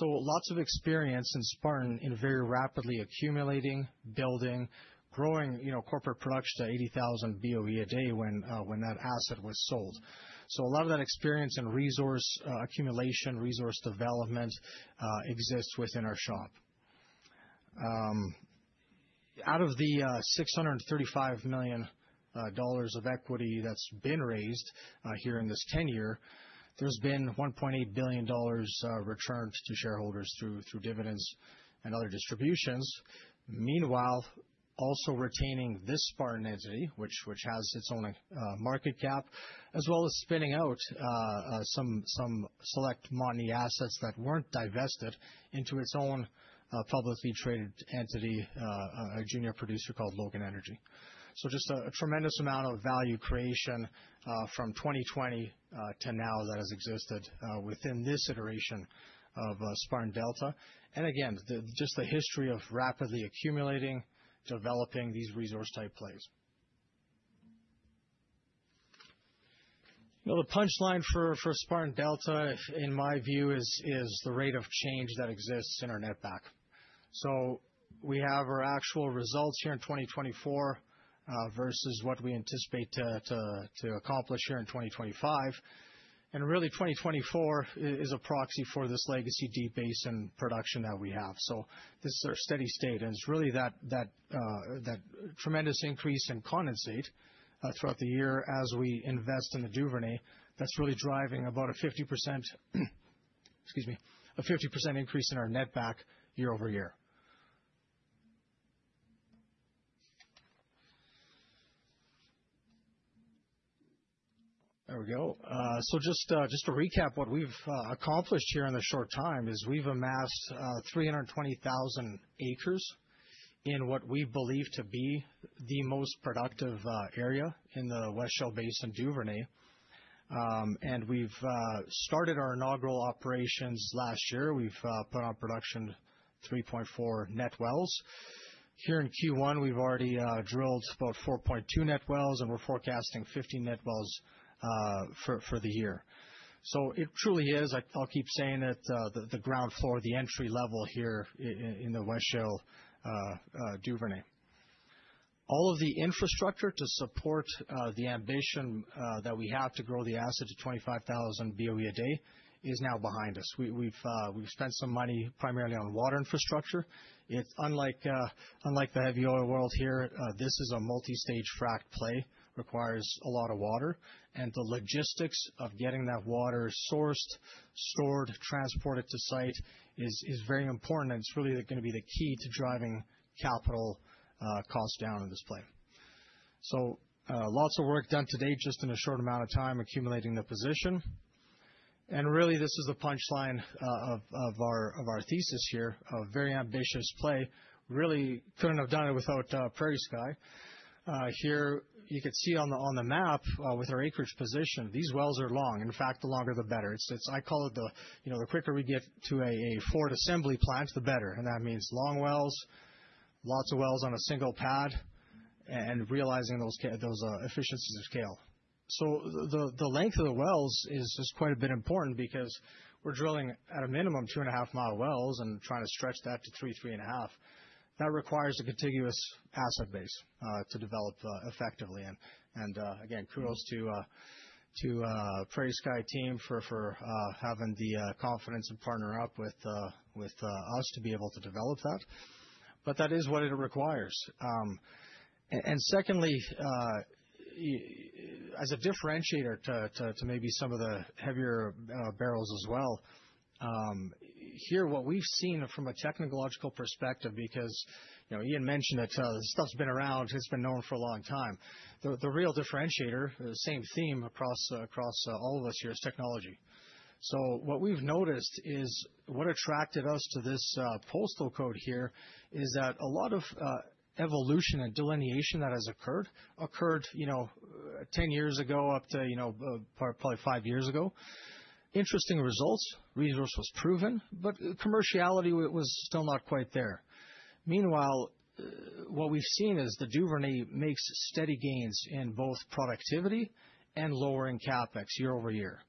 D: Lots of experience in Spartan in very rapidly accumulating, building, growing corporate production to 80,000 BOE a day when that asset was sold. A lot of that experience in resource accumulation, resource development exists within our shop. Out of the 635 million dollars of equity that has been raised here in this tenure, there has been 1.8 billion dollars returned to shareholders through dividends and other distributions. Meanwhile, also retaining this Spartan entity, which has its own market cap, as well as spinning out some select Montney assets that were not divested into its own publicly traded entity, a junior producer called Logan Energy. Just a tremendous amount of value creation from 2020 to now that has existed within this iteration of Spartan Delta. Again, just the history of rapidly accumulating, developing these resource-type plays. The punchline for Spartan Delta, in my view, is the rate of change that exists in our net back. We have our actual results here in 2024 versus what we anticipate to accomplish here in 2025. Really, 2024 is a proxy for this legacy Deep Basin production that we have. This is our steady state. It is that tremendous increase in condensate throughout the year as we invest in the Duvernay that is really driving about a 50% increase in our netback year over year. There we go. Just to recap what we have accomplished here in the short time, we have amassed 320,000 acres in what we believe to be the most productive area in the West Shale Basin Duvernay. We started our inaugural operations last year. We have put on production 3.4 net wells. Here in Q1, we have already drilled about 4.2 net wells, and we are forecasting 50 net wells for the year. It truly is, I will keep saying it, the ground floor, the entry level here in the West Shale Duvernay. All of the infrastructure to support the ambition that we have to grow the asset to 25,000 BOE a day is now behind us. We've spent some money primarily on water infrastructure. Unlike the heavy oil world here, this is a multi-stage fract play that requires a lot of water. The logistics of getting that water sourced, stored, transported to site is very important. It is really going to be the key to driving capital costs down in this play. Lots of work done today just in a short amount of time accumulating the position. This is the punchline of our thesis here, a very ambitious play. Really could not have done it without PrairieSky. Here you could see on the map with our acreage position, these wells are long. In fact, the longer, the better. I call it the quicker we get to a Ford assembly plant, the better. That means long wells, lots of wells on a single pad, and realizing those efficiencies of scale. The length of the wells is quite a bit important because we're drilling at a minimum 2.5 mi wells and trying to stretch that to 3, 3.5. That requires a contiguous asset base to develop effectively. Again, kudos to PrairieSky team for having the confidence and partnering up with us to be able to develop that. That is what it requires. Secondly, as a differentiator to maybe some of the heavier barrels as well, here what we've seen from a technological perspective, because Ian mentioned it, stuff's been around, it's been known for a long time. The real differentiator, the same theme across all of us here, is technology. What we've noticed is what attracted us to this postal code here is that a lot of evolution and delineation that has occurred, occurred 10 years ago up to probably five years ago. Interesting results, resource was proven, but commerciality was still not quite there. Meanwhile, what we've seen is the Duvernay makes steady gains in both productivity and lowering CapEx year over year.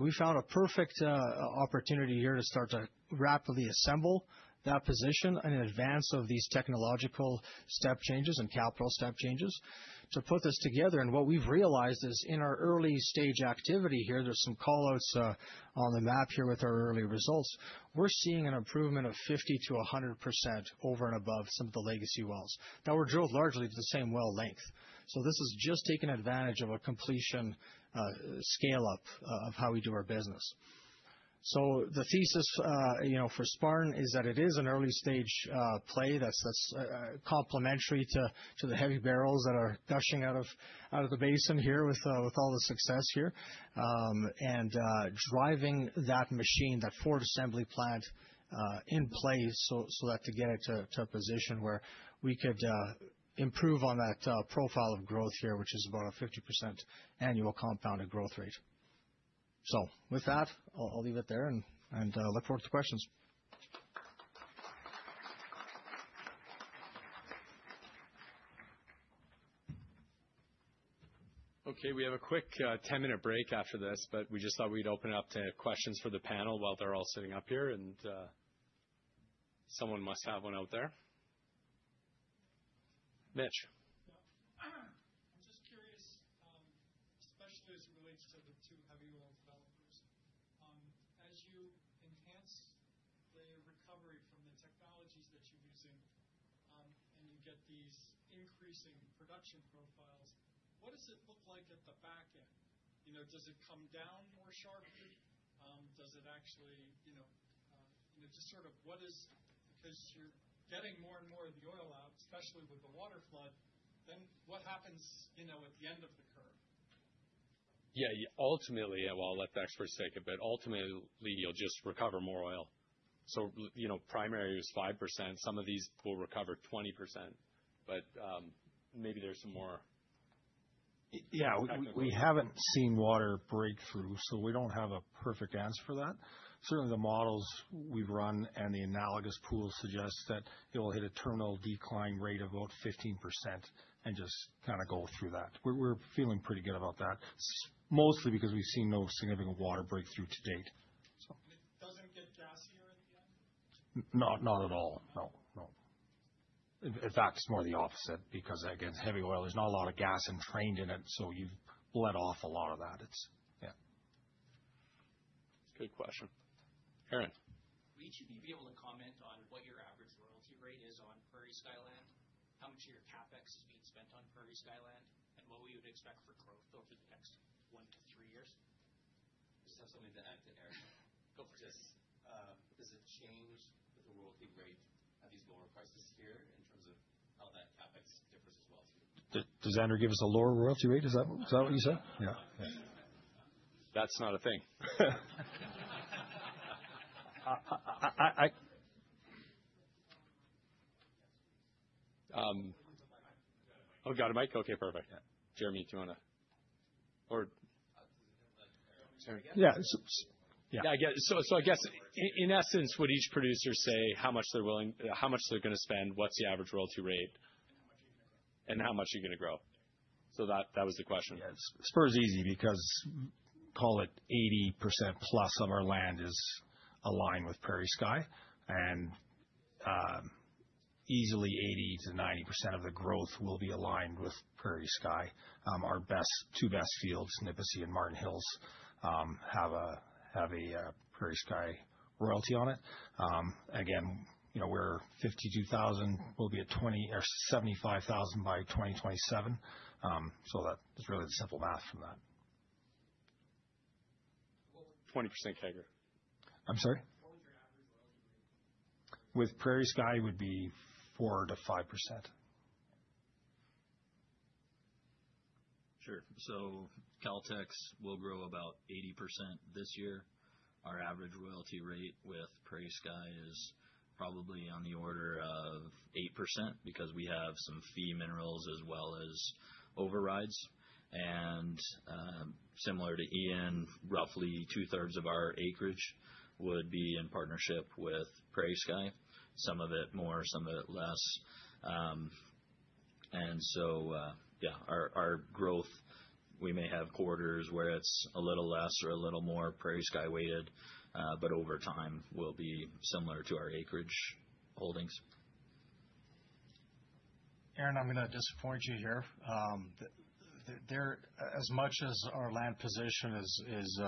D: We found a perfect opportunity here to start to rapidly assemble that position in advance of these technological step changes and capital step changes to put this together. What we've realized is in our early stage activity here, there's some callouts on the map here with our early results. We're seeing an improvement of 50-100% over and above some of the legacy wells that were drilled largely to the same well length. This is just taking advantage of a completion scale-up of how we do our business. The thesis for Spartan is that it is an early stage play that's complimentary to the heavy barrels that are gushing out of the basin here with all the success here and driving that machine, that Ford assembly plant in play so that to get it to a position where we could improve on that profile of growth here, which is about a 50% annual compounded growth rate. With that, I'll leave it there and look forward to questions.
A: Okay, we have a quick 10-minute break after this, but we just thought we'd open it up to questions for the panel while they're all sitting up here. Someone must have one out there. Mitch.
E: I'm just curious, especially as it relates to the two heavy oil developers. As you enhance the recovery from the technologies that you're using and you get these increasing production profiles, what does it look like at the back end? Does it come down more sharply? Does it actually just sort of what is because you're getting more and more of the oil out, especially with the water flood, then what happens at the end of the curve?
A: Yeah, ultimately, let's actually for a second, but ultimately, you'll just recover more oil. Primary is 5%. Some of these will recover 20%, but maybe there's some more.
D: Yeah, we haven't seen water breakthrough, so we don't have a perfect answer for that. Certainly, the models we've run and the analogous pool suggest that it will hit a terminal decline rate of about 15% and just kind of go through that. We're feeling pretty good about that, mostly because we've seen no significant water breakthrough to date.
E: It doesn't get gassier at the end?
D: Not at all. No. No. In fact, it's more the opposite because, again, heavy oil, there's not a lot of gas entrained in it, so you've let off a lot of that. Yeah.
A: Good question, Aaron.
F: Would you be able to comment on what your average royalty rate is on PrairieSky land? How much of your CapEx is being spent on PrairieSky land and what we would expect for growth over the next one to three years?
E: Just have something to add to Aaron.
F: Go for it.
E: Is it a change with the royalty rate at these lower prices here in terms of how that CapEx differs as well too?
D: Does that enter give us a lower royalty rate? Is that what you said? Yeah.
B: That's not a thing. Oh, got a mic? Okay, perfect. Jeremy, do you want to?
F: Does it enter like Aaron?
G: Yeah. I guess, in essence, would each producer say how much they're willing, how much they're going to spend, what's the average royalty rate, and how much are you going to grow? That was the question. Spur is easy because, call it, 80% plus of our land is aligned with PrairieSky. Easily 80%-90% of the growth will be aligned with PrairieSky. Our two best fields, Nipisi and Martens Hills, have a PrairieSky royalty on it. Again, we're 52,000, we'll be at 20 or 75,000 by 2027. That's really the simple math from that.
A: What would?
B: 20% Keger.
D: I'm sorry?
F: What would your average royalty rate be?
D: With PrairieSky, it would be 4%-5%.
C: Sure. Caltex will grow about 80% this year. Our average royalty rate with PrairieSky is probably on the order of 8% because we have some fee minerals as well as overrides. Similar to Ian, roughly two-thirds of our acreage would be in partnership with PrairieSky. Some of it more, some of it less. Our growth, we may have quarters where it is a little less or a little more PrairieSky weighted, but over time will be similar to our acreage holdings.
D: Aaron, I'm going to disappoint you here. As much as our land position is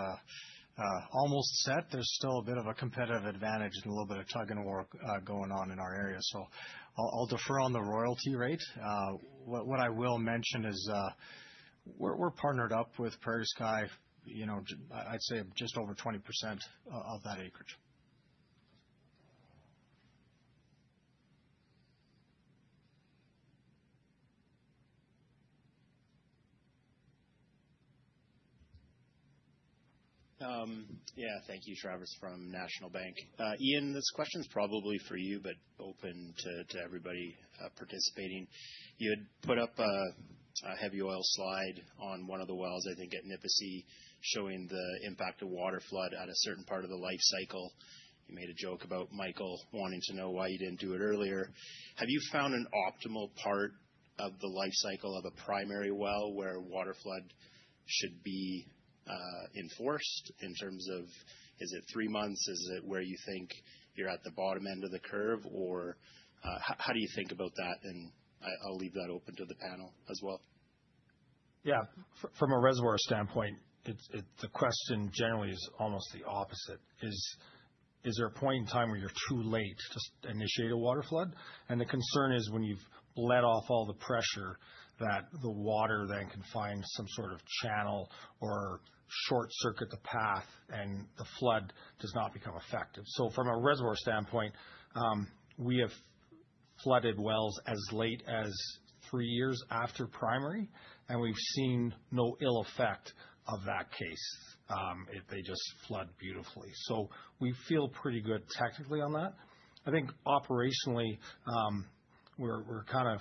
D: almost set, there's still a bit of a competitive advantage and a little bit of tug-and-war going on in our area. I will defer on the royalty rate. What I will mention is we're partnered up with PrairieSky, I'd say just over 20% of that acreage.
C: Yeah, thank you, Travis from National Bank. Ian, this question's probably for you, but open to everybody participating. You had put up a heavy oil slide on one of the wells, I think at Nipisi, showing the impact of water flood at a certain part of the life cycle. You made a joke about Michael wanting to know why you did not do it earlier. Have you found an optimal part of the life cycle of a primary well where water flood should be enforced in terms of, is it three months? Is it where you think you are at the bottom end of the curve? Or how do you think about that? I will leave that open to the panel as well.
B: Yeah. From a reservoir standpoint, the question generally is almost the opposite. Is there a point in time where you're too late to initiate a water flood? The concern is when you've let off all the pressure that the water then can find some sort of channel or short-circuit the path and the flood does not become effective. From a reservoir standpoint, we have flooded wells as late as three years after primary, and we've seen no ill effect of that case. They just flood beautifully. We feel pretty good technically on that. I think operationally, we're kind of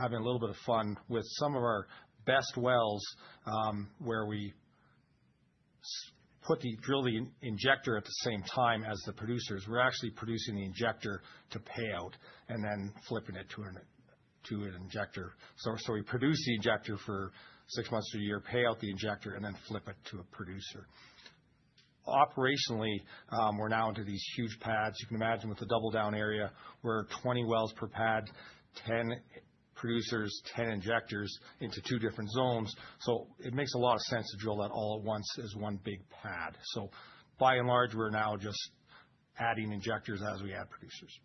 B: having a little bit of fun with some of our best wells where we drill the injector at the same time as the producers. We're actually producing the injector to payout and then flipping it to an injector. We produce the injector for six months to a year, pay out the injector, and then flip it to a producer. Operationally, we're now into these huge pads. You can imagine with the double-down area, we're 20 wells per pad, 10 producers, 10 injectors into two different zones. It makes a lot of sense to drill that all at once as one big pad. By and large, we're now just adding injectors as we add producers.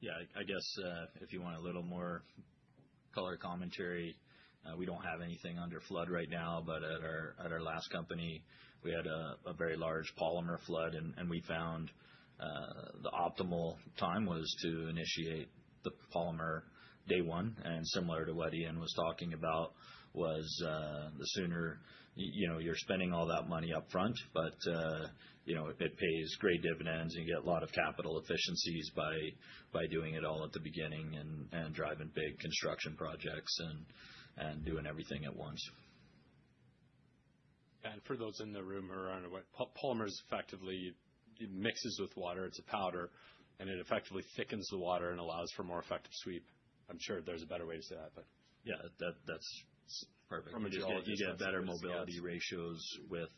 C: Yeah, I guess if you want a little more color commentary, we do not have anything under flood right now, but at our last company, we had a very large polymer flood, and we found the optimal time was to initiate the polymer day one. Similar to what Ian was talking about, the sooner you are spending all that money upfront, it pays great dividends and you get a lot of capital efficiencies by doing it all at the beginning and driving big construction projects and doing everything at once.
A: For those in the room around it, polymer is effectively mixes with water. It's a powder, and it effectively thickens the water and allows for more effective sweep. I'm sure there's a better way to say that, but.
C: Yeah, that's perfect. You get better mobility ratios with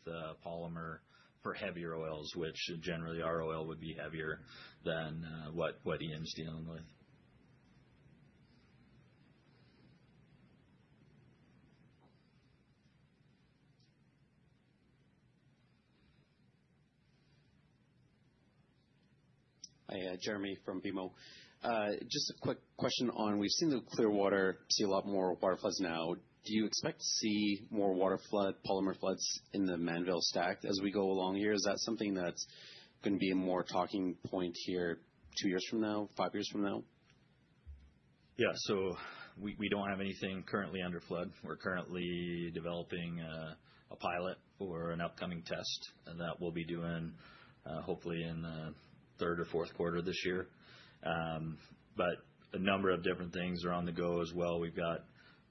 C: polymer for heavier oils, which generally our oil would be heavier than what Ian's dealing with.
G: Hi, Jeremy from BMO. Just a quick question on, we've seen the Clearwater, see a lot more water floods now. Do you expect to see more water flood, polymer floods in the Mannville stack as we go along here? Is that something that's going to be a more talking point here two years from now, five years from now?
C: Yeah, so we do not have anything currently under flood. We are currently developing a pilot for an upcoming test, and that we will be doing hopefully in the third or fourth quarter of this year. A number of different things are on the go as well. We have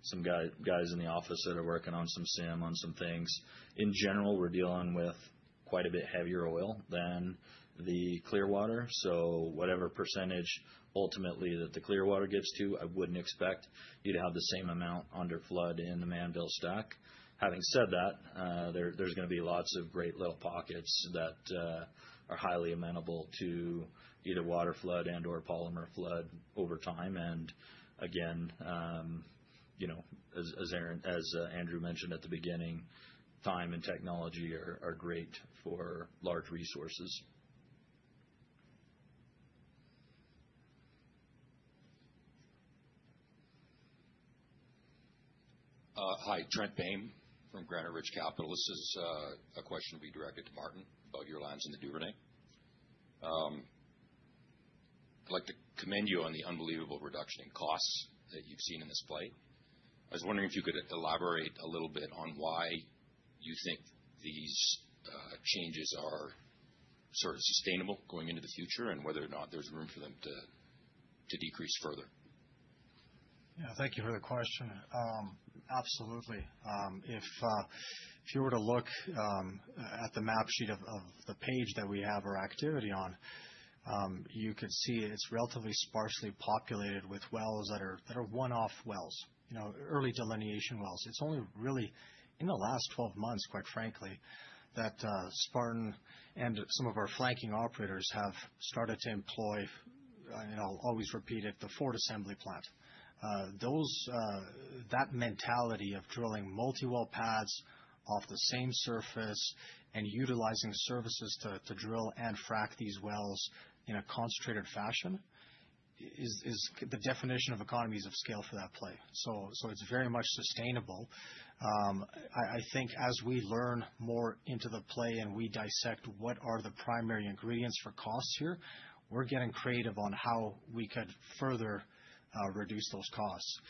C: some guys in the office that are working on some SIM, on some things. In general, we are dealing with quite a bit heavier oil than the Clearwater. Whatever % ultimately that the Clearwater gives to, I would not expect you to have the same amount under flood in the Mannville stack. Having said that, there are going to be lots of great little pockets that are highly amenable to either water flood and/or polymer flood over time. Again, as Andrew mentioned at the beginning, time and technology are great for large resources.
H: Hi, Trent Bain from Granite Ridge Capital. This is a question to be directed to Martin about your lines in the Duvernay. I'd like to commend you on the unbelievable reduction in costs that you've seen in this play. I was wondering if you could elaborate a little bit on why you think these changes are sort of sustainable going into the future and whether or not there's room for them to decrease further.
D: Yeah, thank you for the question. Absolutely. If you were to look at the map sheet of the page that we have our activity on, you could see it's relatively sparsely populated with wells that are one-off wells, early delineation wells. It's only really in the last 12 months, quite frankly, that Spartan and some of our flanking operators have started to employ, and I'll always repeat it, the Ford assembly plant. That mentality of drilling multi-well pads off the same surface and utilizing services to drill and frack these wells in a concentrated fashion is the definition of economies of scale for that play. It is very much sustainable. I think as we learn more into the play and we dissect what are the primary ingredients for costs here, we're getting creative on how we could further reduce those costs.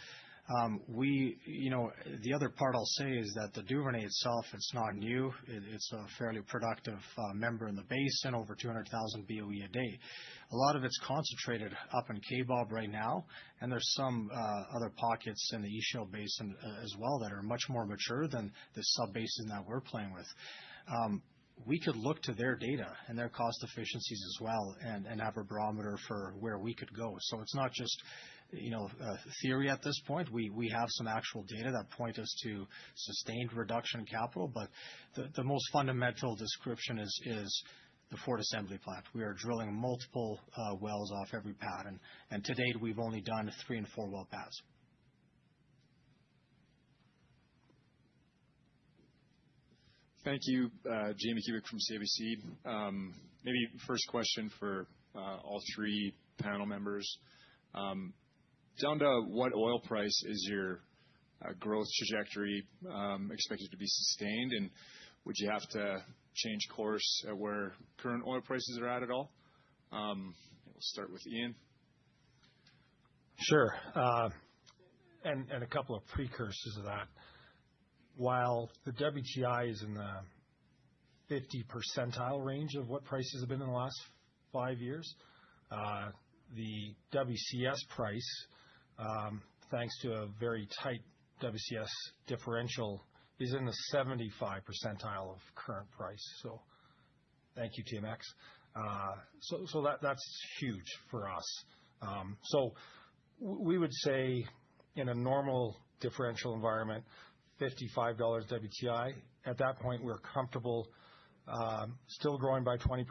D: The other part I'll say is that the Duvernay itself, it's not new. It's a fairly productive member in the basin, over 200,000 BOE a day. A lot of it's concentrated up in Kaybob right now, and there's some other pockets in the East Shale Basin as well that are much more mature than the sub-basin that we're playing with. We could look to their data and their cost efficiencies as well and have a barometer for where we could go. It's not just theory at this point. We have some actual data that point us to sustained reduction in capital, but the most fundamental description is the Ford assembly plant. We are drilling multiple wells off every pad, and to date, we've only done three and four well pads.
I: Thank you, Jamie Kubik from CIBC. Maybe first question for all three panel members. Down to what oil price is your growth trajectory expected to be sustained, and would you have to change course at where current oil prices are at at all? We'll start with Ian.
B: Sure. A couple of precursors to that. While the WTI is in the 50% percentile range of what prices have been in the last five years, the WCS price, thanks to a very tight WCS differential, is in the 75% percentile of current price. Thank you, TMX. That is huge for us. We would say in a normal differential environment, $55 WTI, at that point, we are comfortable still growing by 20%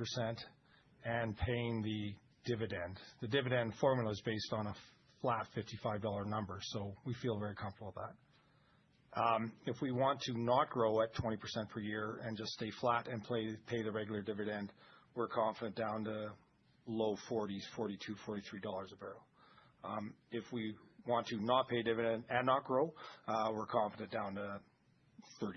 B: and paying the dividend. The dividend formula is based on a flat $55 number, so we feel very comfortable with that. If we want to not grow at 20% per year and just stay flat and pay the regular dividend, we are confident down to low 40s, $42-$43 a barrel. If we want to not pay dividend and not grow, we are confident down to $30.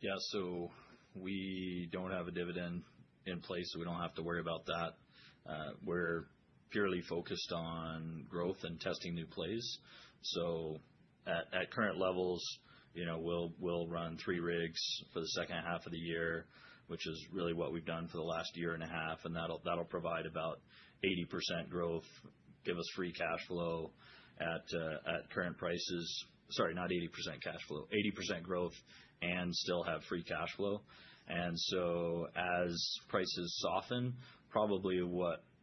C: Yeah, so we do not have a dividend in place, so we do not have to worry about that. We are purely focused on growth and testing new plays. At current levels, we will run three rigs for the second half of the year, which is really what we have done for the last year and a half, and that will provide about 80% growth, give us free cash flow at current prices. Sorry, not 80% cash flow, 80% growth and still have free cash flow. As prices soften, probably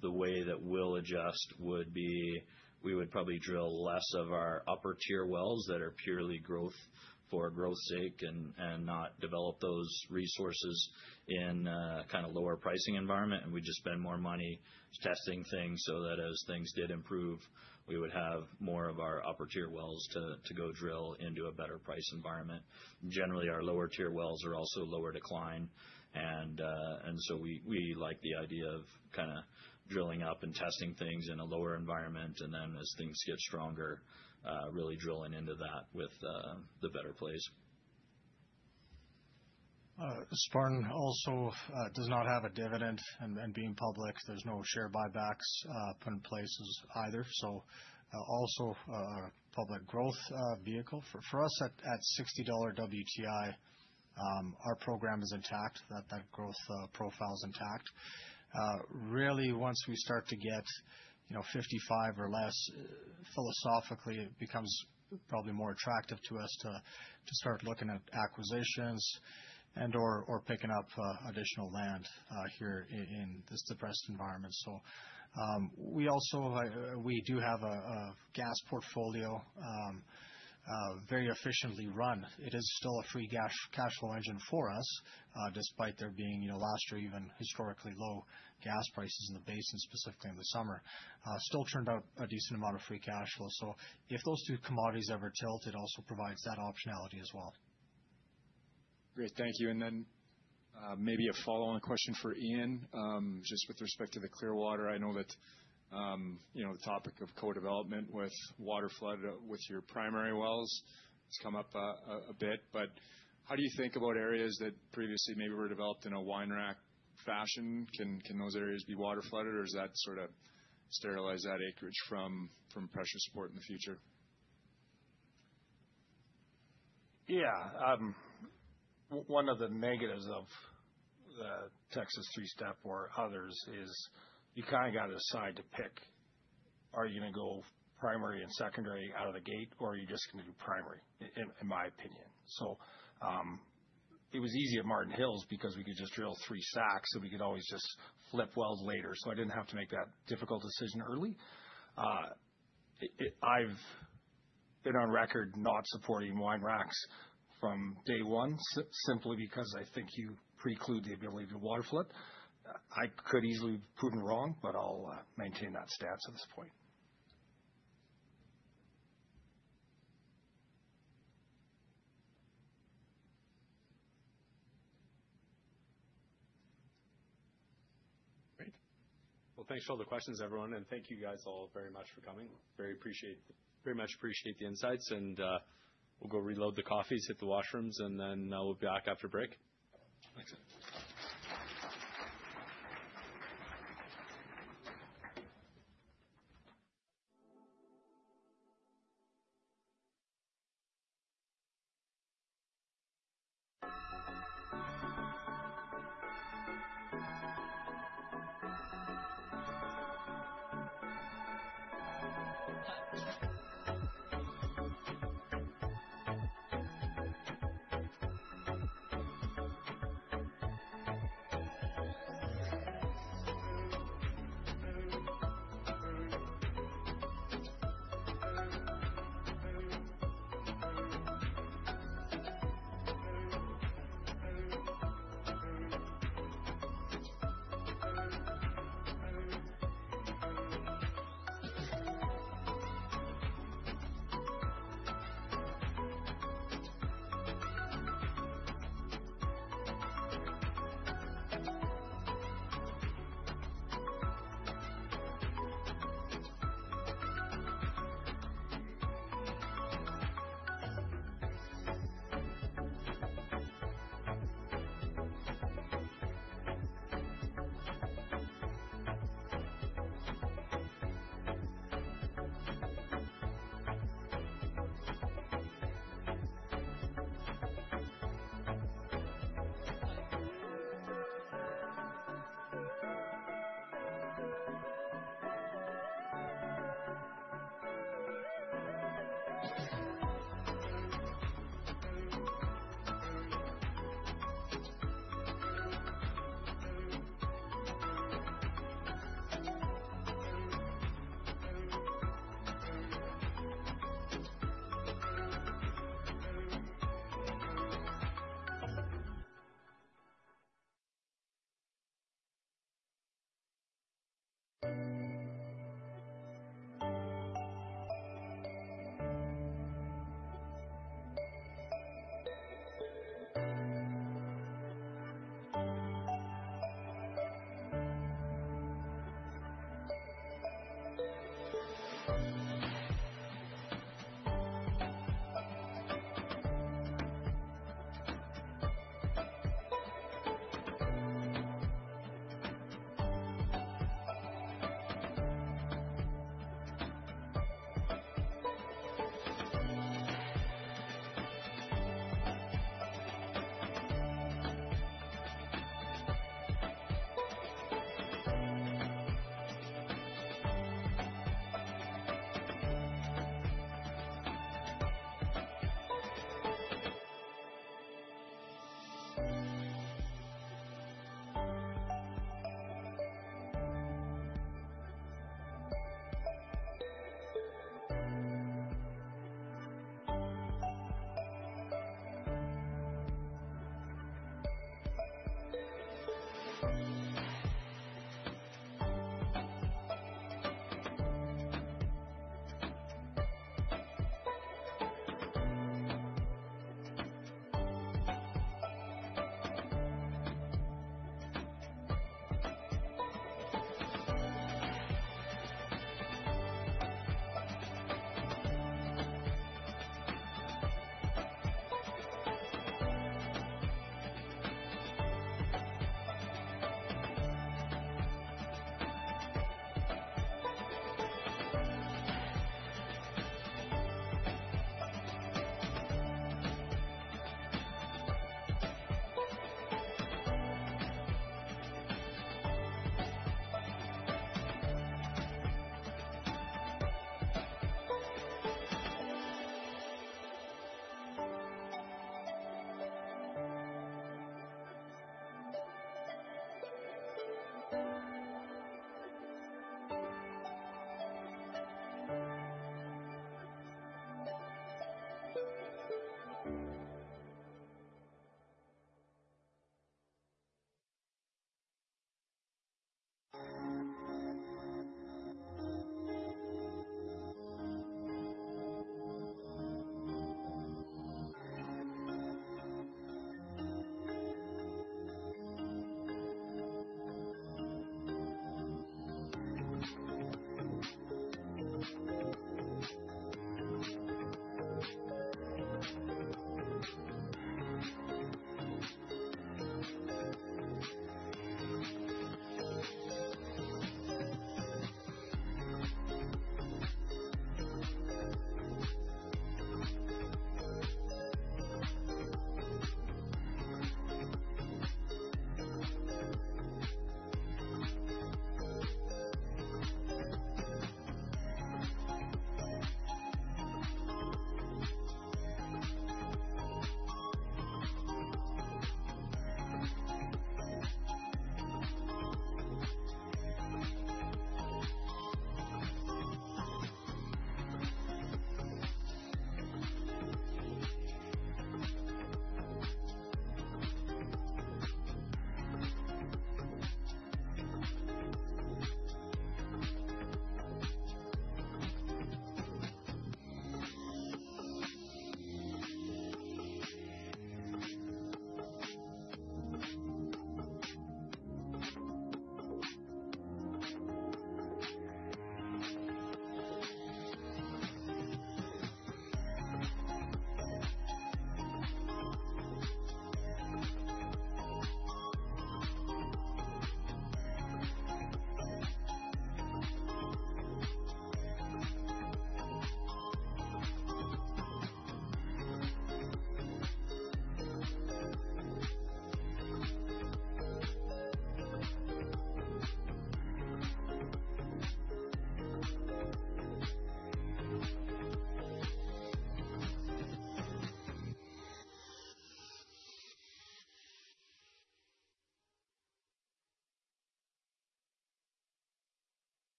C: the way that we'll adjust would be we would probably drill less of our upper-tier wells that are purely growth for growth's sake and not develop those resources in a kind of lower pricing environment, and we'd just spend more money testing things so that as things did improve, we would have more of our upper-tier wells to go drill into a better price environment. Generally, our lower-tier wells are also lower decline, and so we like the idea of kind of drilling up and testing things in a lower environment, and then as things get stronger, really drilling into that with the better plays.
D: Spartan also does not have a dividend and being public, there's no share buybacks put in place either. Also a public growth vehicle. For us, at $60 WTI, our program is intact. That growth profile is intact. Really, once we start to get $55 or less, philosophically, it becomes probably more attractive to us to start looking at acquisitions and/or picking up additional land here in this depressed environment. We do have a gas portfolio very efficiently run. It is still a free cash flow engine for us, despite there being last year even historically low gas prices in the basin, specifically in the summer. Still churned out a decent amount of free cash flow. If those two commodities ever tilt, it also provides that optionality as well.
I: Great. Thank you. Maybe a follow-on question for Ian, just with respect to the Clearwater. I know that the topic of co-development with water flood with your primary wells has come up a bit, but how do you think about areas that previously maybe were developed in a wine rack fashion? Can those areas be water flooded, or does that sort of sterilize that acreage from pressure support in the future?
B: Yeah. One of the negatives of the Texas Three-Step or others is you kind of got to decide to pick. Are you going to go primary and secondary out of the gate, or are you just going to do primary, in my opinion? It was easy at Martens Hills because we could just drill three stacks, and we could always just flip wells later. I did not have to make that difficult decision early. I have been on record not supporting wine racks from day one simply because I think you preclude the ability to water flood. I could easily prove them wrong, but I will maintain that stance at this point.
A: Great. Thanks for all the questions, everyone, and thank you guys all very much for coming. Very much appreciate the insights, and we'll go reload the coffees, hit the washrooms, and then we'll be back after break. Thanks.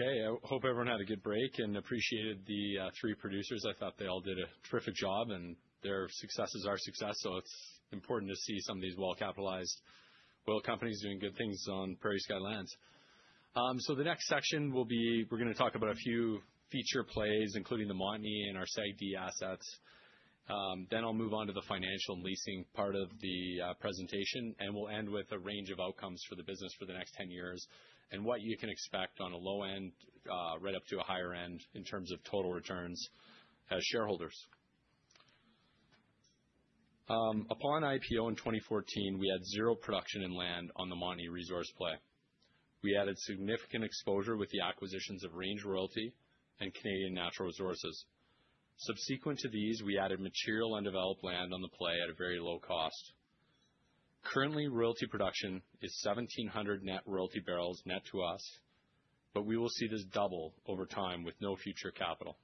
A: I hope everyone had a good break and appreciated the three producers. I thought they all did a terrific job, and their success is our success, so it's important to see some of these well-capitalized, well-companies, doing good things on PrairieSky lands. The next section will be—we're going to talk about a few feature plays, including the Montney and our SAG-D assets. I will move on to the financial and leasing part of the presentation, and we will end with a range of outcomes for the business for the next 10 years and what you can expect on a low end, right up to a higher end in terms of total returns as shareholders. Upon IPO in 2014, we had zero production and land on the Montney resource play. We added significant exposure with the acquisitions of Range Royalty and Canadian Natural Resources. Subsequent to these, we added material and developed land on the play at a very low cost. Currently, royalty production is 1,700 net royalty barrels net to us, but we will see this double over time with no future capital.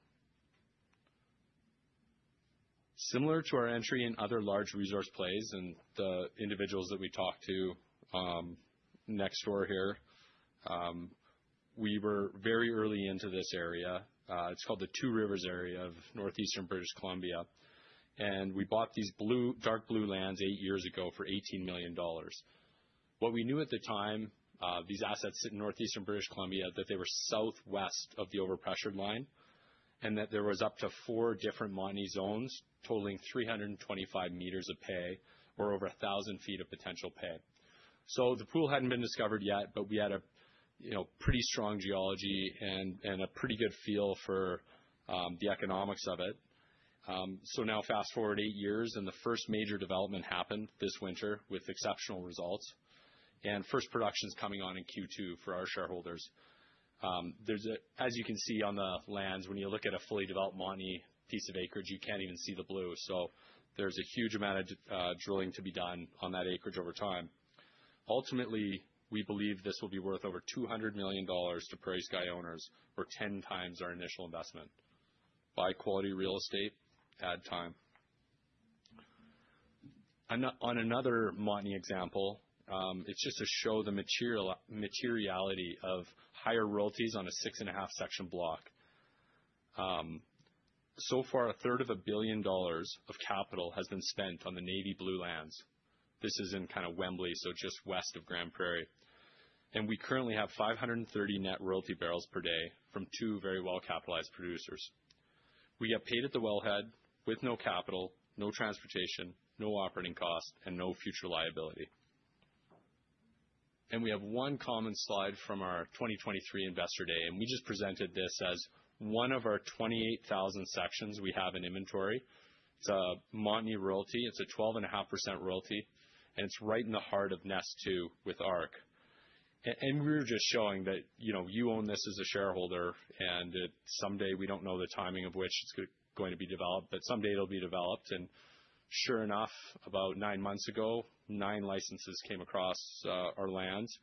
A: Similar to our entry in other large resource plays and the individuals that we talked to next door here, we were very early into this area. It's called the Two Rivers area of Northeastern British Columbia, and we bought these blue, dark blue lands eight years ago for 18 million dollars. What we knew at the time—these assets sit in Northeastern British Columbia—is that they were southwest of the overpressured line and that there were up to four different Montney zones totaling 325 meters of pay, or over 1,000 feet of potential pay. The pool had not been discovered yet, but we had a pretty strong geology and a pretty good feel for the economics of it. Now, fast forward eight years, and the first major development happened this winter with exceptional results and first productions coming on in Q2 for our shareholders. As you can see on the lands, when you look at a fully developed Montney piece of acreage, you can't even see the blue, so there's a huge amount of drilling to be done on that acreage over time. Ultimately, we believe this will be worth over 200 million dollars to PrairieSky owners, or 10 times our initial investment. Buy quality real estate, add time. On another Montney example, it's just to show the materiality of higher royalties on a six-and-a-half-section block. So far, a third of a billion dollars of capital has been spent on the Navy Blue Lands. This is in kind of Wembley, so just west of Grand Prairie, and we currently have 530 net royalty barrels per day from two very well-capitalized producers. We get paid at the wellhead with no capital, no transportation, no operating cost, and no future liability. We have one common slide from our 2023 Investor Day, and we just presented this as one of our 28,000 sections we have in inventory. It is a Montney Royalty. It is a 12.5% Royalty, and it is right in the heart of Nest 2 with ARC. We were just showing that you own this as a shareholder, and someday—we do not know the timing of which it is going to be developed—but someday it will be developed. Sure enough, about nine months ago, nine licenses came across our lands,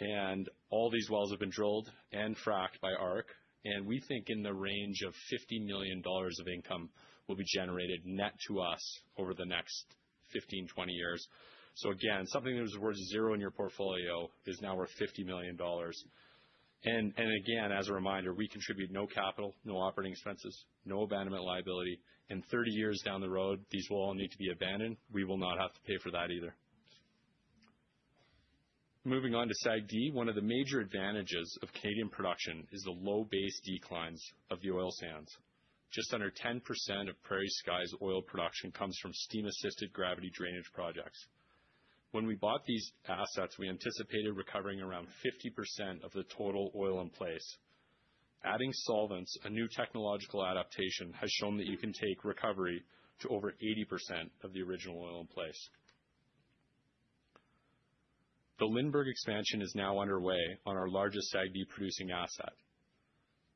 A: and all these wells have been drilled and fracked by ARC, and we think in the range of 50 million dollars of income will be generated net to us over the next 15-20 years. Again, something that was worth zero in your portfolio is now worth 50 million dollars. Again, as a reminder, we contribute no capital, no operating expenses, no abandonment liability, and 30 years down the road, these will all need to be abandoned. We will not have to pay for that either. Moving on to SAG-D, one of the major advantages of Canadian production is the low base declines of the oil sands. Just under 10% of PrairieSky's oil production comes from steam-assisted gravity drainage projects. When we bought these assets, we anticipated recovering around 50% of the total oil in place. Adding solvents, a new technological adaptation has shown that you can take recovery to over 80% of the original oil in place. The Lindbergh expansion is now underway on our largest SAG-D producing asset.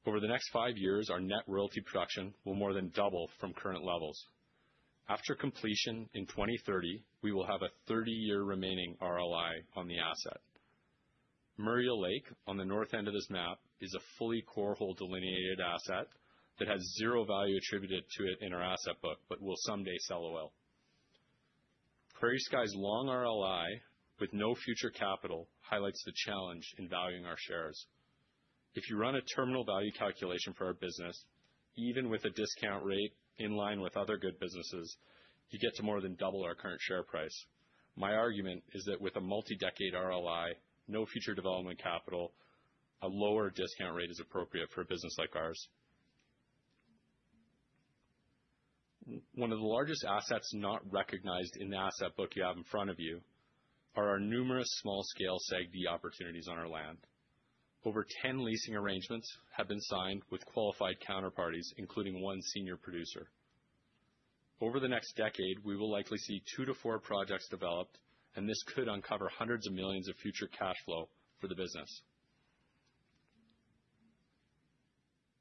A: Over the next five years, our net royalty production will more than double from current levels. After completion in 2030, we will have a 30-year remaining RLI on the asset. Murray Lake, on the north end of this map, is a fully core hole delineated asset that has zero value attributed to it in our asset book, but will someday sell a well. PrairieSky's long RLI with no future capital highlights the challenge in valuing our shares. If you run a terminal value calculation for our business, even with a discount rate in line with other good businesses, you get to more than double our current share price. My argument is that with a multi-decade RLI, no future development capital, a lower discount rate is appropriate for a business like ours. One of the largest assets not recognized in the asset book you have in front of you are our numerous small-scale SAG-D opportunities on our land. Over 10 leasing arrangements have been signed with qualified counterparties, including one senior producer. Over the next decade, we will likely see two to four projects developed, and this could uncover hundreds of millions of future cash flow for the business.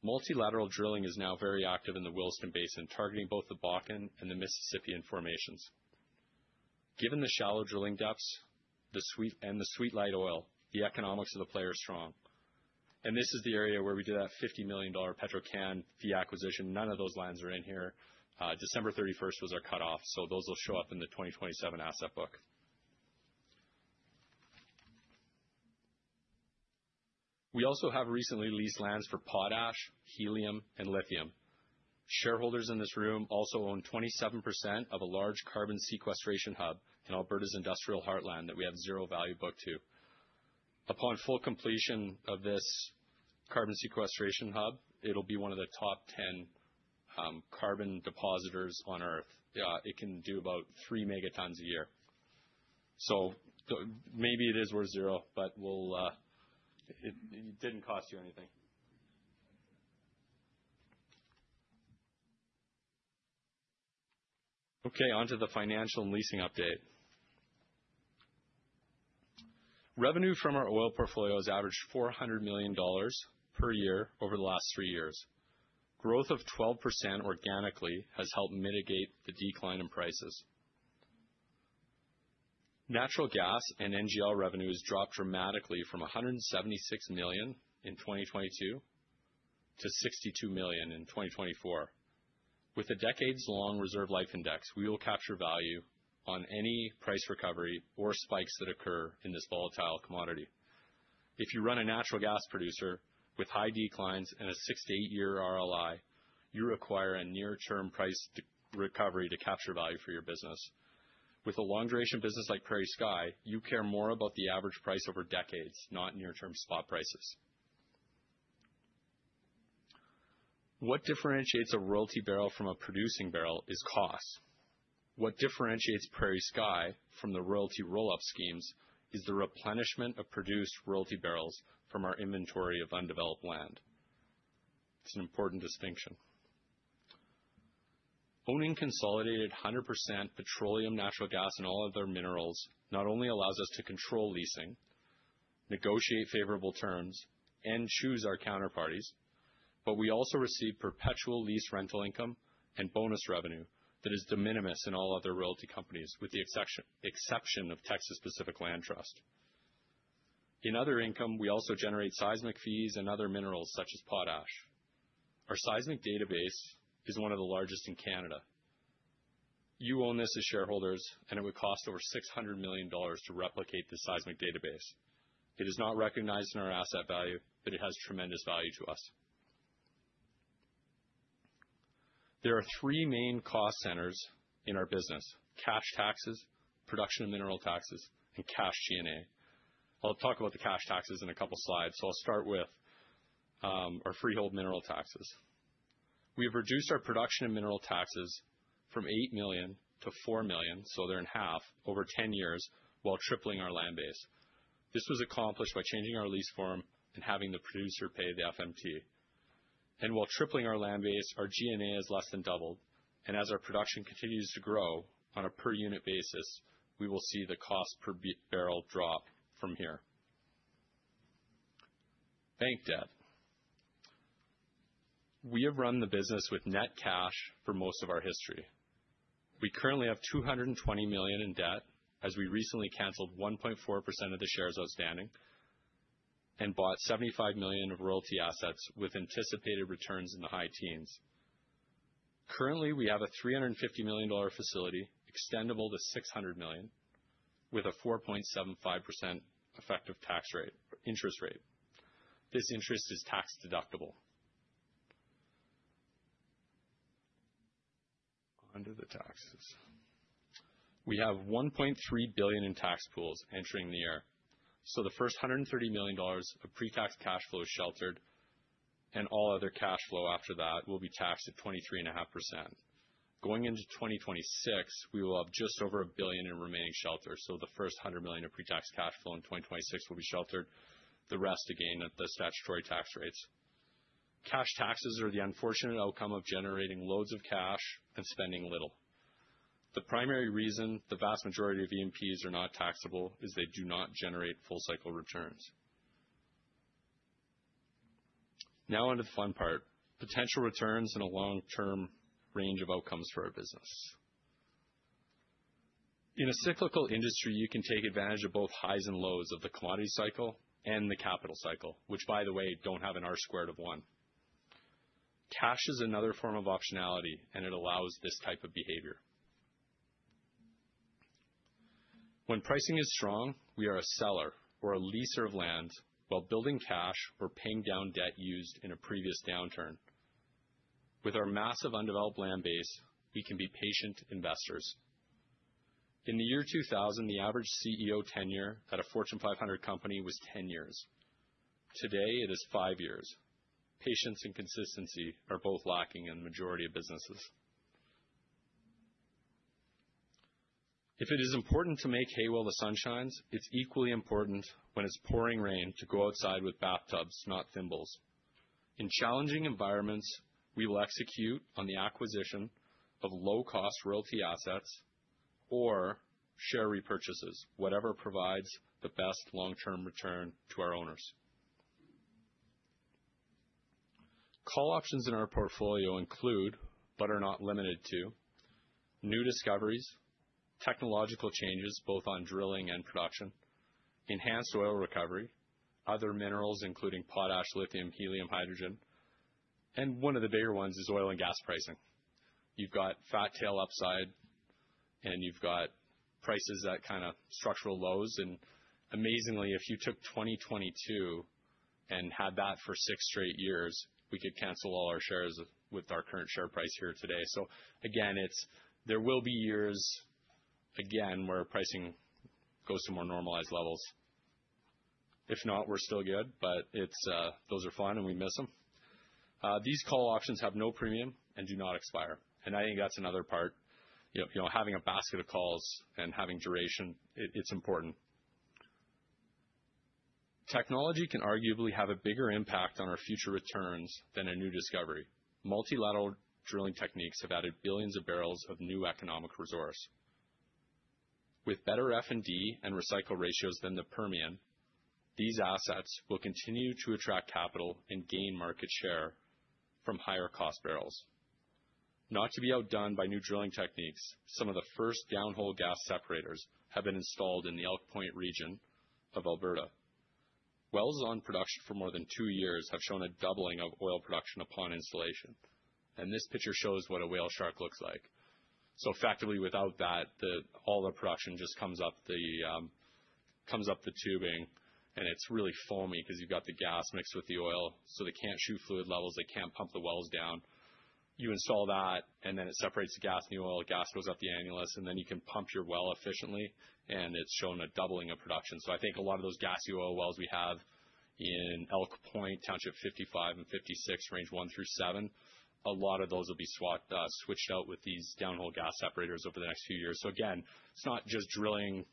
A: Multilateral drilling is now very active in the Williston Basin, targeting both the Bakken and the Mississippian formations. Given the shallow drilling depths and the sweet light oil, the economics of the play are strong. This is the area where we did that $50 million Petro-Canada fee acquisition. None of those lands are in here. December 31 was our cutoff, so those will show up in the 2027 asset book. We also have recently leased lands for potash, helium, and lithium. Shareholders in this room also own 27% of a large carbon sequestration hub in Alberta's industrial heartland that we have zero value booked to. Upon full completion of this carbon sequestration hub, it'll be one of the top 10 carbon depositors on Earth. It can do about 3 megatons a year. Maybe it is worth zero, but it did not cost you anything. Okay, on to the financial and leasing update. Revenue from our oil portfolios averaged 400 million dollars per year over the last three years. Growth of 12% organically has helped mitigate the decline in prices. Natural gas and NGL revenues dropped dramatically from 176 million in 2022 to 62 million in 2024. With a decades-long reserve life index, we will capture value on any price recovery or spikes that occur in this volatile commodity. If you run a natural gas producer with high declines and a 6-8 year RLI, you require a near-term price recovery to capture value for your business. With a long-duration business like PrairieSky, you care more about the average price over decades, not near-term spot prices. What differentiates a royalty barrel from a producing barrel is cost. What differentiates PrairieSky from the royalty roll-up schemes is the replenishment of produced royalty barrels from our inventory of undeveloped land. It is an important distinction. Owning consolidated 100% petroleum, natural gas, and all other minerals not only allows us to control leasing, negotiate favorable terms, and choose our counterparties, but we also receive perpetual lease rental income and bonus revenue that is de minimis in all other royalty companies, with the exception of Texas Pacific Land Trust. In other income, we also generate seismic fees and other minerals such as potash. Our seismic database is one of the largest in Canada. You own this as shareholders, and it would cost over 600 million dollars to replicate the seismic database. It is not recognized in our asset value, but it has tremendous value to us. There are three main cost centers in our business: cash taxes, production and mineral taxes, and cash G&A. I'll talk about the cash taxes in a couple of slides, so I'll start with our freehold mineral taxes. We have reduced our production and mineral taxes from 8 million to 4 million, so they're in half, over 10 years, while tripling our land base. This was accomplished by changing our lease form and having the producer pay the FMT. While tripling our land base, our G&A has less than doubled, and as our production continues to grow on a per-unit basis, we will see the cost per barrel drop from here. Bank debt. We have run the business with net cash for most of our history. We currently have 220 million in debt as we recently canceled 1.4% of the shares outstanding and bought 75 million of royalty assets with anticipated returns in the high teens. Currently, we have a 350 million dollar facility extendable to 600 million with a 4.75% effective interest rate. This interest is tax-deductible. Under the taxes, we have 1.3 billion in tax pools entering the year. So the first 130 million dollars of pre-tax cash flow sheltered and all other cash flow after that will be taxed at 23.5%. Going into 2026, we will have just over a billion in remaining shelter, so the first 100 million of pre-tax cash flow in 2026 will be sheltered. The rest, again, at the statutory tax rates. Cash taxes are the unfortunate outcome of generating loads of cash and spending little. The primary reason the vast majority of EMPs are not taxable is they do not generate full-cycle returns. Now, on to the fun part: potential returns and a long-term range of outcomes for our business. In a cyclical industry, you can take advantage of both highs and lows of the commodity cycle and the capital cycle, which, by the way, do not have an R-squared of one. Cash is another form of optionality, and it allows this type of behavior. When pricing is strong, we are a seller or a leaser of land while building cash or paying down debt used in a previous downturn. With our massive undeveloped land base, we can be patient investors. In the year 2000, the average CEO tenure at a Fortune 500 company was 10 years. Today, it is five years. Patience and consistency are both lacking in the majority of businesses. If it is important to make hay while the sun shines, it is equally important when it is pouring rain to go outside with bathtubs, not a thimble. In challenging environments, we will execute on the acquisition of low-cost royalty assets or share repurchases, whatever provides the best long-term return to our owners. Call options in our portfolio include, but are not limited to, new discoveries, technological changes both on drilling and production, enhanced oil recovery, other minerals including potash, lithium, helium, hydrogen, and one of the bigger ones is oil and gas pricing. You have got fat tail upside, and you have got prices at kind of structural lows. Amazingly, if you took 2022 and had that for six straight years, we could cancel all our shares with our current share price here today. There will be years again where pricing goes to more normalized levels. If not, we're still good, but those are fun, and we miss them. These call options have no premium and do not expire. I think that's another part. Having a basket of calls and having duration, it's important. Technology can arguably have a bigger impact on our future returns than a new discovery. Multilateral drilling techniques have added billions of barrels of new economic resource. With better F&D and recycle ratios than the Permian, these assets will continue to attract capital and gain market share from higher-cost barrels. Not to be outdone by new drilling techniques, some of the first downhole gas separators have been installed in the Elk Point region of Alberta. Wells on production for more than two years have shown a doubling of oil production upon installation. This picture shows what a whale shark looks like. Effectively, without that, all the production just comes up the tubing, and it's really foamy because you've got the gas mixed with the oil, so they can't shoot fluid levels. They can't pump the wells down. You install that, and then it separates the gas and the oil. The gas goes up the annulus, and then you can pump your well efficiently, and it's shown a doubling of production. I think a lot of those gassy oil wells we have in Elk Point, township 55 and 56, range 1-7, a lot of those will be switched out with these downhole gas separators over the next few years. Again, it's not just drilling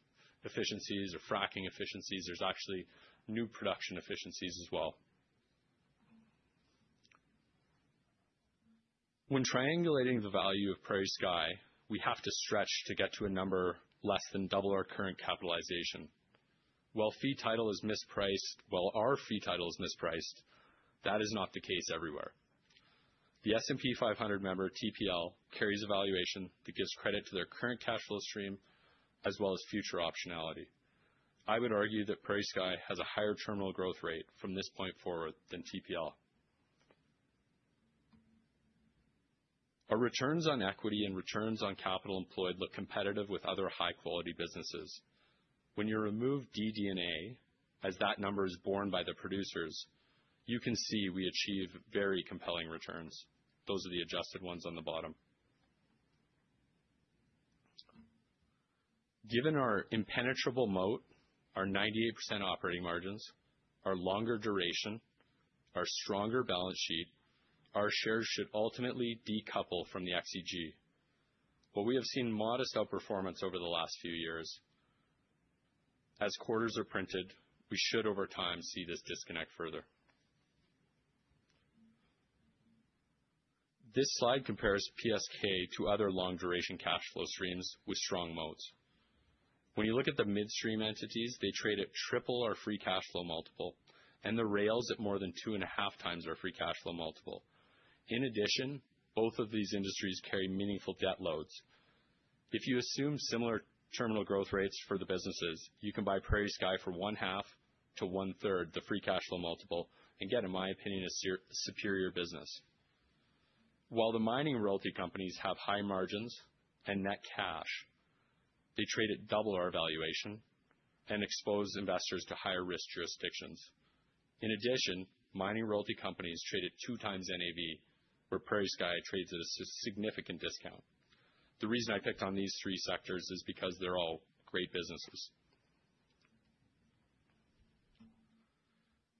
A: efficiencies or fracking efficiencies. There's actually new production efficiencies as well. When triangulating the value of PrairieSky, we have to stretch to get to a number less than double our current capitalization. While fee title is mispriced, while our fee title is mispriced, that is not the case everywhere. The S&P 500 member, TPL, carries a valuation that gives credit to their current cash flow stream as well as future optionality. I would argue that PrairieSky has a higher terminal growth rate from this point forward than TPL. Our returns on equity and returns on capital employed look competitive with other high-quality businesses. When you remove DDNA, as that number is borne by the producers, you can see we achieve very compelling returns. Those are the adjusted ones on the bottom. Given our impenetrable moat, our 98% operating margins, our longer duration, our stronger balance sheet, our shares should ultimately decouple from the XEG. While we have seen modest outperformance over the last few years, as quarters are printed, we should over time see this disconnect further. This slide compares PSK to other long-duration cash flow streams with strong moats. When you look at the midstream entities, they trade at triple our free cash flow multiple, and the rails at more than two and a half times our free cash flow multiple. In addition, both of these industries carry meaningful debt loads. If you assume similar terminal growth rates for the businesses, you can buy PrairieSky for one half to one third the free cash flow multiple and get, in my opinion, a superior business. While the mining royalty companies have high margins and net cash, they trade at double our valuation and expose investors to higher risk jurisdictions. In addition, mining royalty companies trade at two times NAV, where PrairieSky trades at a significant discount. The reason I picked on these three sectors is because they're all great businesses.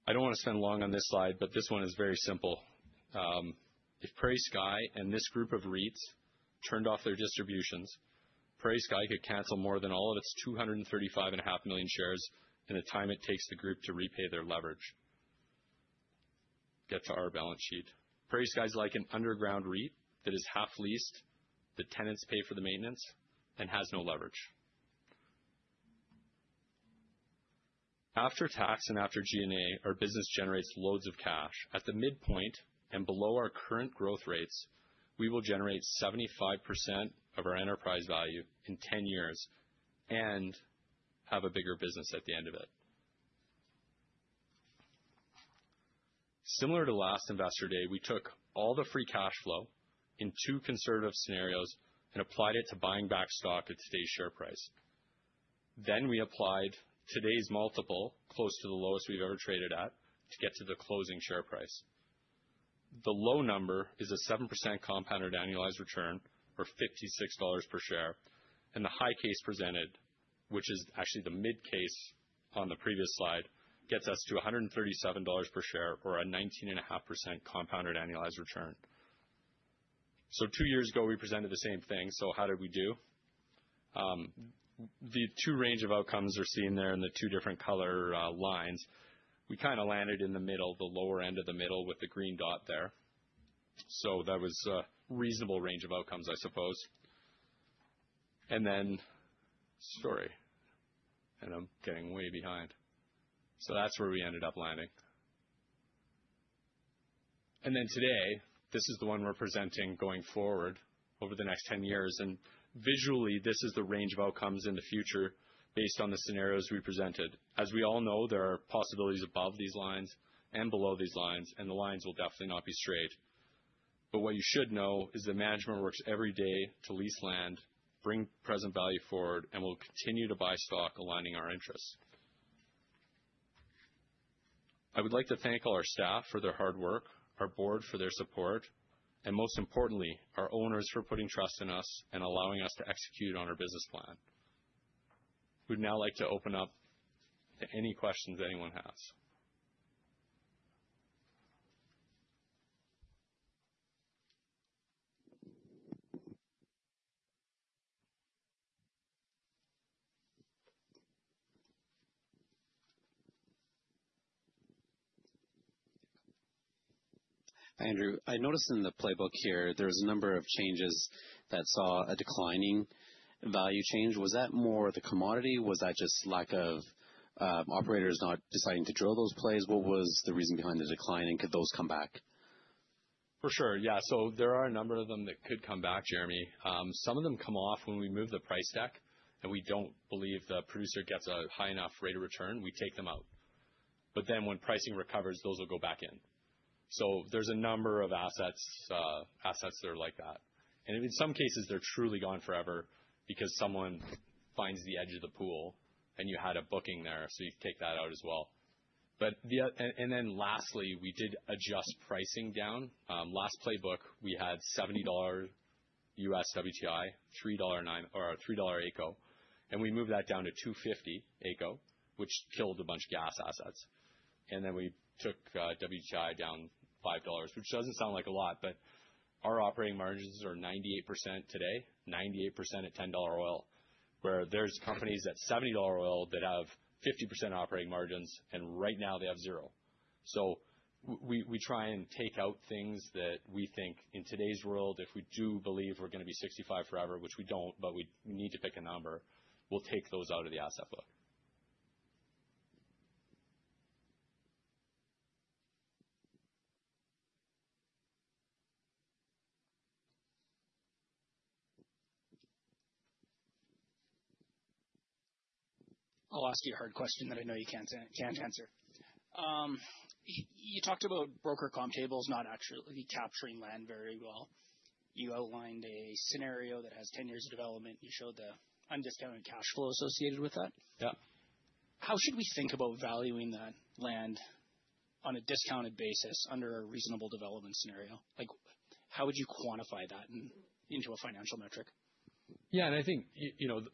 A: I do not want to spend long on this slide, but this one is very simple. If PrairieSky and this group of REITs turned off their distributions, PrairieSky could cancel more than all of its 235.5 million shares in the time it takes the group to repay their leverage. Get to our balance sheet. PrairieSky is like an underground REIT that is half leased, the tenants pay for the maintenance, and has no leverage. After tax and after G&A, our business generates loads of cash. At the midpoint and below our current growth rates, we will generate 75% of our enterprise value in 10 years and have a bigger business at the end of it. Similar to last investor day, we took all the free cash flow in two conservative scenarios and applied it to buying back stock at today's share price. We applied today's multiple close to the lowest we've ever traded at to get to the closing share price. The low number is a 7% compounded annualized return or 56 dollars per share, and the high case presented, which is actually the mid case on the previous slide, gets us to 137 dollars per share or a 19.5% compounded annualized return. Two years ago, we presented the same thing. How did we do? The two range of outcomes are seen there in the two different color lines. We kind of landed in the middle, the lower end of the middle with the green dot there. That was a reasonable range of outcomes, I suppose. The story, and I'm getting way behind. That is where we ended up landing. Today, this is the one we're presenting going forward over the next 10 years. Visually, this is the range of outcomes in the future based on the scenarios we presented. As we all know, there are possibilities above these lines and below these lines, and the lines will definitely not be straight. What you should know is the management works every day to lease land, bring present value forward, and will continue to buy stock aligning our interests. I would like to thank all our staff for their hard work, our board for their support, and most importantly, our owners for putting trust in us and allowing us to execute on our business plan. We'd now like to open up to any questions anyone has.
J: Hi, Andrew. I noticed in the playbook here there was a number of changes that saw a declining value change. Was that more the commodity? Was that just lack of operators not deciding to drill those plays?
A: What was the reason behind the decline? And could those come back? For sure. Yeah. So there are a number of them that could come back, Jeremy. Some of them come off when we move the price deck, and we do not believe the producer gets a high enough rate of return. We take them out. But then when pricing recovers, those will go back in. So there is a number of assets that are like that. And in some cases, they are truly gone forever because someone finds the edge of the pool, and you had a booking there, so you take that out as well. And then lastly, we did adjust pricing down. Last playbook, we had $70 US WTI, $3 ACO, and we moved that down to $2.50 ACO, which killed a bunch of gas assets. We took WTI down $5, which does not sound like a lot, but our operating margins are 98% today, 98% at $10 oil, where there are companies at $70 oil that have 50% operating margins, and right now they have zero. We try and take out things that we think in today's world, if we do believe we are going to be $65 forever, which we do not, but we need to pick a number, we will take those out of the asset book. I will ask you a hard question that I know you cannot answer. You talked about broker comp tables not actually capturing land very well. You outlined a scenario that has 10 years of development. You showed the undiscounted cash flow associated with that. How should we think about valuing that land on a discounted basis under a reasonable development scenario?
J: How would you quantify that into a financial metric?
A: Yeah. I think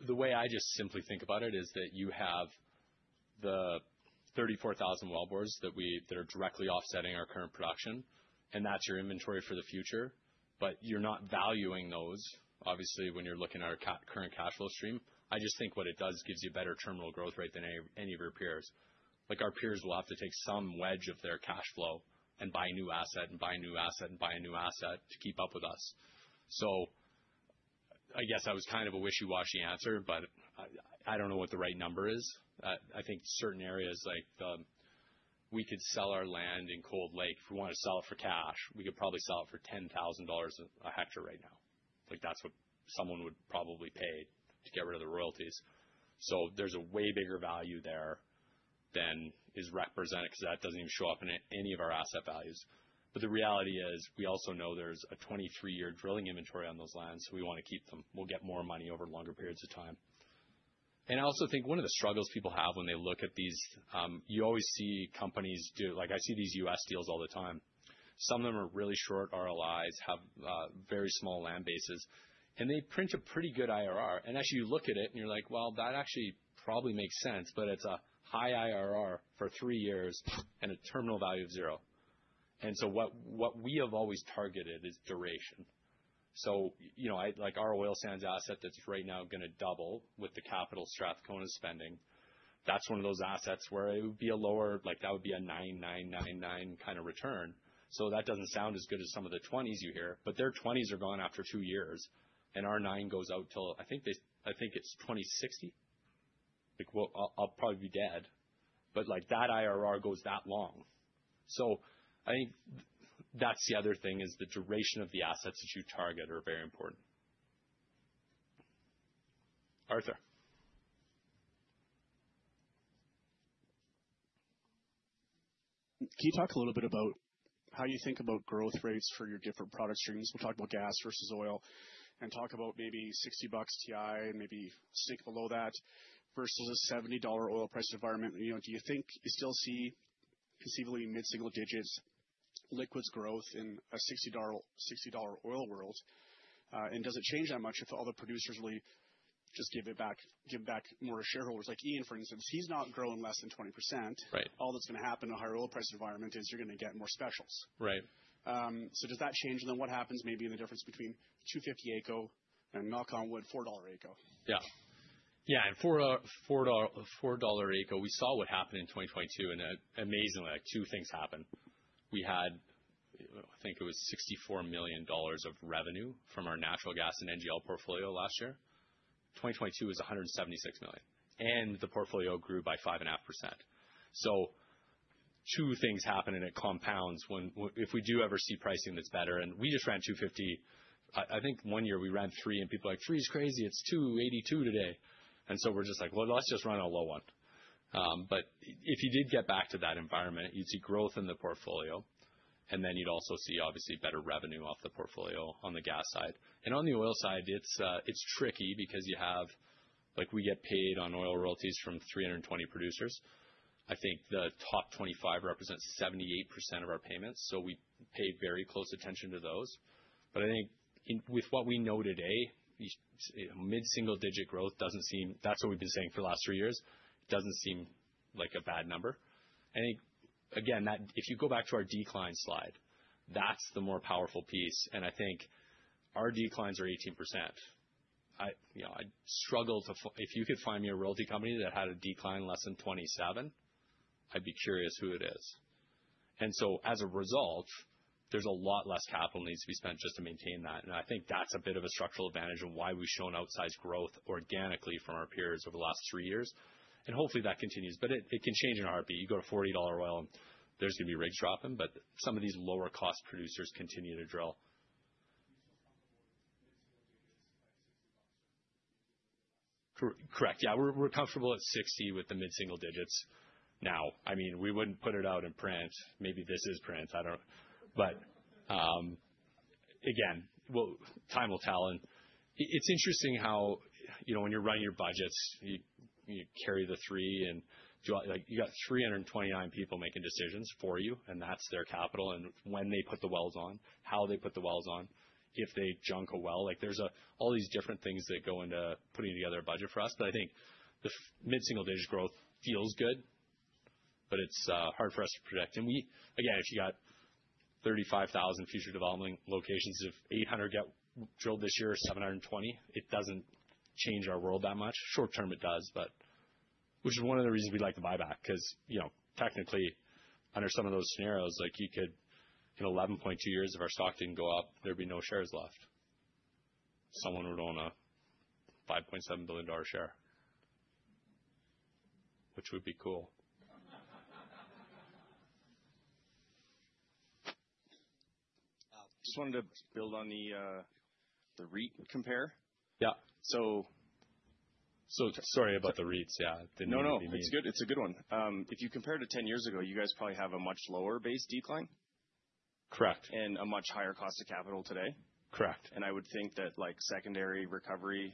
A: the way I just simply think about it is that you have the 34,000 wild boards that are directly offsetting our current production, and that's your inventory for the future, but you're not valuing those, obviously, when you're looking at our current cash flow stream. I just think what it does gives you a better terminal growth rate than any of your peers. Our peers will have to take some wedge of their cash flow and buy new asset and buy new asset and buy new asset to keep up with us. I guess that was kind of a wishy-washy answer, but I don't know what the right number is. I think certain areas, like we could sell our land in Cold Lake. If we want to sell it for cash, we could probably sell it for 10,000 dollars a hectare right now. That's what someone would probably pay to get rid of the royalties. There is a way bigger value there than is represented because that does not even show up in any of our asset values. The reality is we also know there is a 23-year drilling inventory on those lands, so we want to keep them. We'll get more money over longer periods of time. I also think one of the struggles people have when they look at these, you always see companies do, like I see these US deals all the time. Some of them are really short ROIs, have very small land bases, and they print a pretty good IRR. Actually, you look at it and you're like, "Well, that actually probably makes sense, but it's a high IRR for three years and a terminal value of zero." What we have always targeted is duration. Like our oil sands asset that's right now going to double with the capital Strathcona spending, that's one of those assets where it would be a lower, like that would be a 9.999 kind of return. That does not sound as good as some of the 20s you hear, but their 20s are gone after two years, and our 9 goes out till I think it's 2060. I'll probably be dead, but that IRR goes that long. I think that's the other thing is the duration of the assets that you target are very important. Arthur.
K: Can you talk a little bit about how you think about growth rates for your different product streams? We'll talk about gas versus oil and talk about maybe $60 WTI, maybe stick below that versus a $70 oil price environment. Do you think you still see conceivably mid-single digits liquids growth in a $60 oil world? Does it change that much if all the producers really just give it back, give back more to shareholders? Like Ian, for instance, he's not growing less than 20%. All that's going to happen in a higher oil price environment is you're going to get more specials. Does that change? What happens maybe in the difference between $2.50 AECO and, knock on wood, $4 AECO? Yeah. Yeah. At $4 AECO, we saw what happened in 2022, and amazingly, two things happened. We had, I think it was 64 million dollars of revenue from our natural gas and NGL portfolio last year. 2022 was 176 million, and the portfolio grew by 5.5%. Two things happen, and it compounds when if we do ever see pricing that's better. We just ran 2.50. I think one year we ran three, and people were like, "Three is crazy. It's 2.82 today." We are just like, "Let's just run a low one." If you did get back to that environment, you'd see growth in the portfolio, and then you'd also see, obviously, better revenue off the portfolio on the gas side. On the oil side, it's tricky because you have like we get paid on oil royalties from 320 producers. I think the top 25 represents 78% of our payments, so we pay very close attention to those. I think with what we know today, mid-single digit growth does not seem, that is what we have been saying for the last three years. It does not seem like a bad number. I think, again, if you go back to our decline slide, that is the more powerful piece. I think our declines are 18%. I struggle to, if you could find me a royalty company that had a decline less than 27%, I would be curious who it is. As a result, there is a lot less capital needs to be spent just to maintain that. I think that is a bit of a structural advantage of why we have shown outsized growth organically from our peers over the last three years. Hopefully that continues, but it can change in R&P. You go to $40 oil, there is going to be rigs dropping, but some of these lower-cost producers continue to drill. You're still comfortable with mid-single digits at $60 or a little bit less? Correct. Yeah. We're comfortable at $60 with the mid-single digits now. I mean, we wouldn't put it out in print. Maybe this is print. Again, time will tell. It's interesting how when you're running your budgets, you carry the three and you have 329 people making decisions for you, and that's their capital. When they put the wells on, how they put the wells on, if they junk a well, there are all these different things that go into putting together a budget for us. I think the mid-single digit growth feels good, but it's hard for us to predict. Again, if you have 35,000 future development locations and 800 get drilled this year, 720, it doesn't change our world that much. Short term, it does, which is one of the reasons we like to buy back because technically, under some of those scenarios, like you could in 11.2 years if our stock did not go up, there would be no shares left. Someone would own a 5.7 billion dollar share, which would be cool. I just wanted to build on the REIT compare. Sorry about the REITs. Yeah. No, no. It is a good one. If you compare to 10 years ago, you guys probably have a much lower base decline and a much higher cost of capital today. I would think that secondary recovery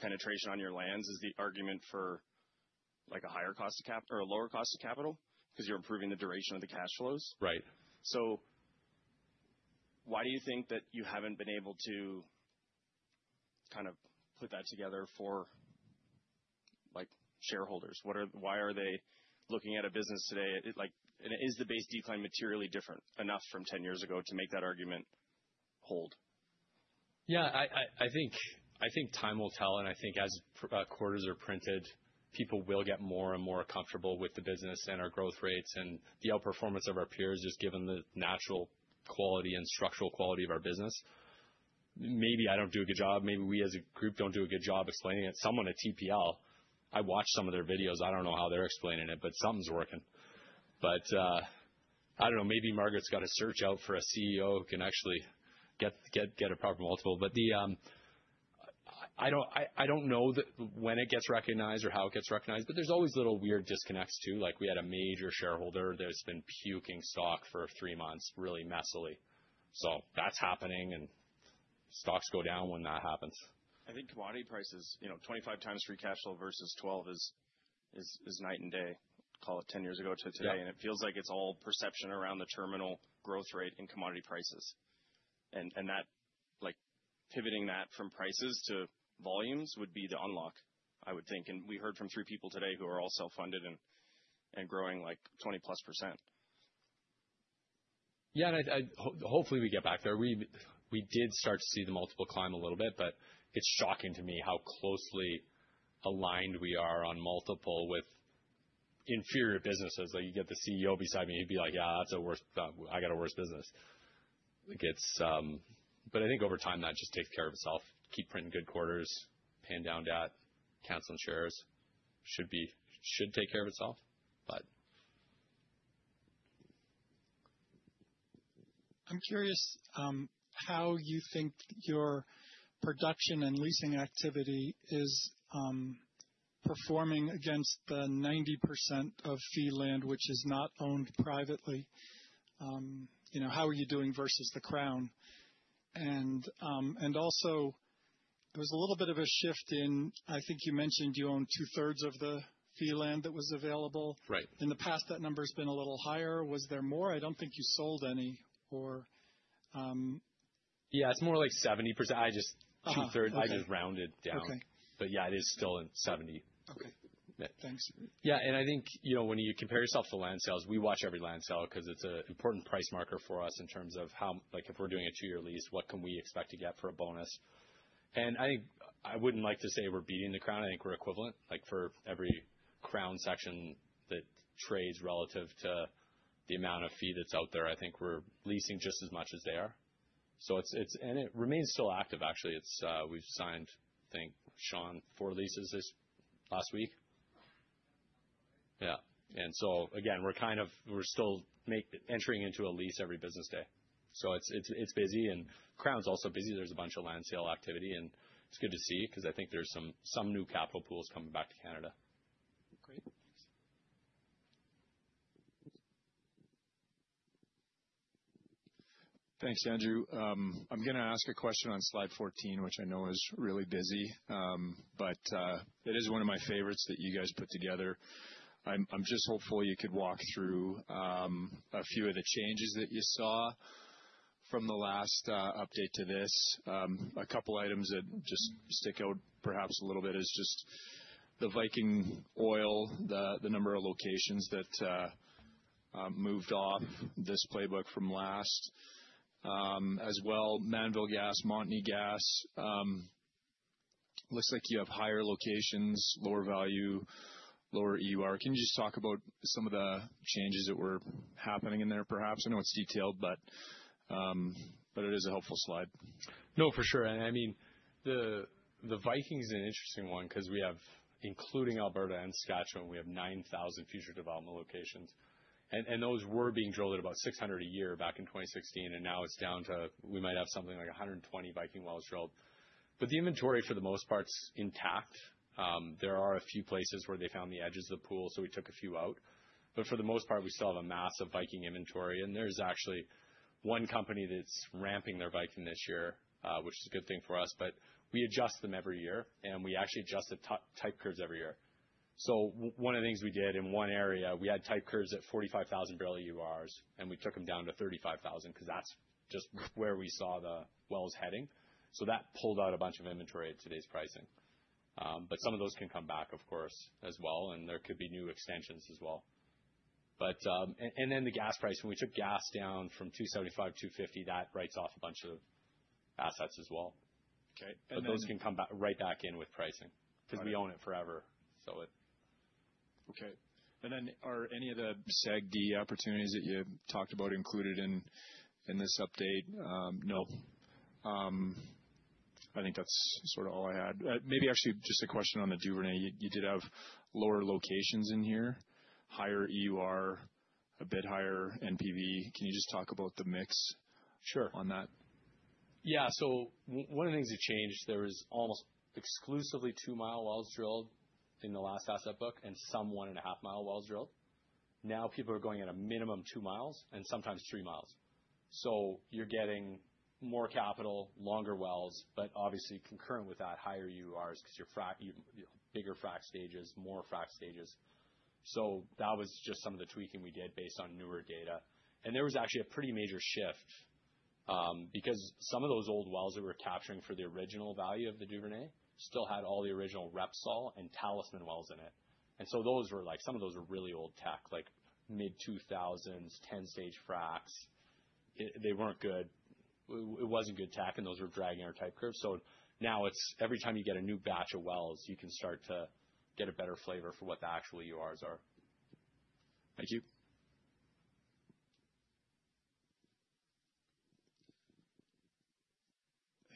K: penetration on your lands is the argument for a higher cost of capital or a lower cost of capital because you are improving the duration of the cash flows. Why do you think that you have not been able to kind of put that together for shareholders? Why are they looking at a business today? Is the base decline materially different enough from 10 years ago to make that argument hold? Yeah. I think time will tell, and I think as quarters are printed, people will get more and more comfortable with the business and our growth rates and the outperformance of our peers just given the natural quality and structural quality of our business. Maybe I don't do a good job. Maybe we as a group don't do a good job explaining it. Someone at TPL, I watched some of their videos. I don't know how they're explaining it, but something's working. I don't know. Maybe Margaret's got a search out for a CEO who can actually get a proper multiple. I don't know when it gets recognized or how it gets recognized, but there's always little weird disconnects too. Like we had a major shareholder that has been puking stock for three months really messily. That is happening, and stocks go down when that happens. I think commodity prices, 25 times free cash flow versus 12 is night and day, call it 10 years ago to today. It feels like it is all perception around the terminal growth rate and commodity prices. Pivoting that from prices to volumes would be the unlock, I would think. We heard from three people today who are all self-funded and growing like +20%. Yeah. Hopefully we get back there. We did start to see the multiple climb a little bit, but it is shocking to me how closely aligned we are on multiple with inferior businesses. Like you get the CEO beside me, he'd be like, "Yeah, I got a worse business." I think over time, that just takes care of itself. Keep printing good quarters, pay down debt, cancel shares. Should take care of itself, but. I'm curious how you think your production and leasing activity is performing against the 90% of fee land, which is not owned privately. How are you doing versus the Crown? Also, there was a little bit of a shift in, I think you mentioned you owned two-thirds of the fee land that was available. In the past, that number has been a little higher. Was there more? I do not think you sold any, or. Yeah. It is more like 70%. I just rounded down. But yeah, it is still 70%. Okay. Thanks. Yeah. I think when you compare yourself to land sales, we watch every land sale because it is an important price marker for us in terms of if we are doing a two-year lease, what can we expect to get for a bonus? I think I would not like to say we are beating the crown. I think we are equivalent. For every crown section that trades relative to the amount of fee that is out there, I think we are leasing just as much as they are. It remains still active, actually. We have signed, I think, Sean, four leases last week. Yeah. Again, we are kind of still entering into a lease every business day. It is busy, and crown is also busy. There is a bunch of land sale activity, and it is good to see because I think there are some new capital pools coming back to Canada.
C: Great. Thanks. Thanks, Andrew. I'm going to ask a question on slide 14, which I know is really busy, but it is one of my favorites that you guys put together. I'm just hopeful you could walk through a few of the changes that you saw from the last update to this. A couple of items that just stick out perhaps a little bit is just the Viking Oil, the number of locations that moved off this playbook from last, as well. Mannville Gas, Montney Gas. Looks like you have higher locations, lower value, lower EUR. Can you just talk about some of the changes that were happening in there perhaps? I know it's detailed, but it is a helpful slide. No, for sure. I mean, the Viking is an interesting one because we have, including Alberta and Saskatchewan, we have 9,000 future development locations. Those were being drilled at about 600 a year back in 2016, and now it is down to we might have something like 120 Viking wells drilled. The inventory, for the most part, is intact. There are a few places where they found the edges of the pool, so we took a few out. For the most part, we still have a massive Viking inventory. There is actually one company that is ramping their Viking this year, which is a good thing for us. We adjust them every year, and we actually adjust the type curves every year. One of the things we did in one area, we had type curves at 45,000 barrel EURs, and we took them down to 35,000 because that is just where we saw the wells heading. That pulled out a bunch of inventory at today's pricing. Some of those can come back, of course, as well, and there could be new extensions as well. The gas price, when we took gas down from $2.75, $2.50, that writes off a bunch of assets as well. Those can come right back in with pricing because we own it forever. Okay. Are any of the SAG-D opportunities that you talked about included in this update? No. I think that's sort of all I had. Maybe actually just a question on the Duvernay. You did have lower locations in here, higher EUR, a bit higher NPV. Can you just talk about the mix on that? Yeah. One of the things that changed, there was almost exclusively two-mile wells drilled in the last asset book and some one and a half mile wells drilled. Now people are going at a minimum two miles and sometimes three miles. You are getting more capital, longer wells, but obviously concurrent with that, higher EURs because you have bigger frac stages, more frac stages. That was just some of the tweaking we did based on newer data. There was actually a pretty major shift because some of those old wells that we were capturing for the original value of the Duvernay still had all the original Repsol and Talisman wells in it. Some of those were really old tech, like mid-2000s, 10-stage fracs. They were not good. It was not good tech, and those were dragging our type curve. Now every time you get a new batch of wells, you can start to get a better flavor for what the actual EURs are. Thank you.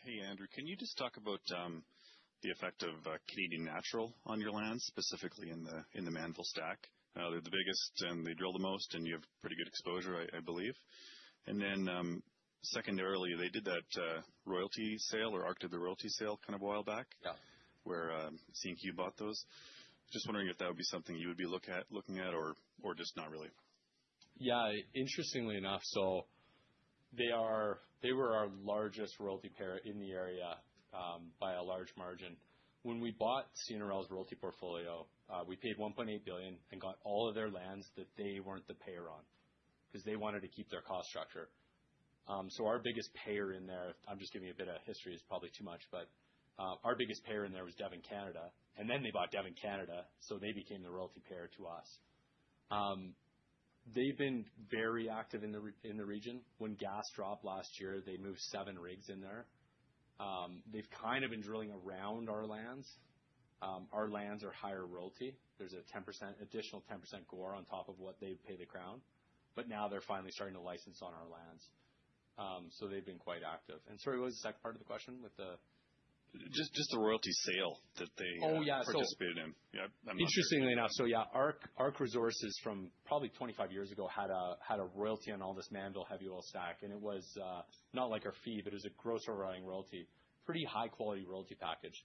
C: Hey, Andrew. Can you just talk about the effect of Canadian Natural on your lands, specifically in the Mannville stack? They're the biggest, and they drill the most, and you have pretty good exposure, I believe. Then secondarily, they did that royalty sale or Arc to the royalty sale kind of a while back where C&Q bought those. Just wondering if that would be something you would be looking at or just not really. Yeah. Interestingly enough, they were our largest royalty payer in the area by a large margin. When we bought CNRL's royalty portfolio, we paid 1.8 billion and got all of their lands that they were not the payer on because they wanted to keep their cost structure. Our biggest payer in there, I am just giving you a bit of history. It is probably too much, but our biggest payer in there was Devon Canada. They bought Devon Canada, so they became the royalty payer to us. They've been very active in the region. When gas dropped last year, they moved seven rigs in there. They've kind of been drilling around our lands. Our lands are higher royalty. There's an additional 10% GOR on top of what they pay the crown. Now they're finally starting to license on our lands. They've been quite active. Sorry, what was the second part of the question? Just the royalty sale that they participated in. Yeah. Interestingly enough, Arc Resources from probably 25 years ago had a royalty on all this Mannville Heavy Oil stack. It was not like our fee, but it was a gross overriding royalty, pretty high-quality royalty package.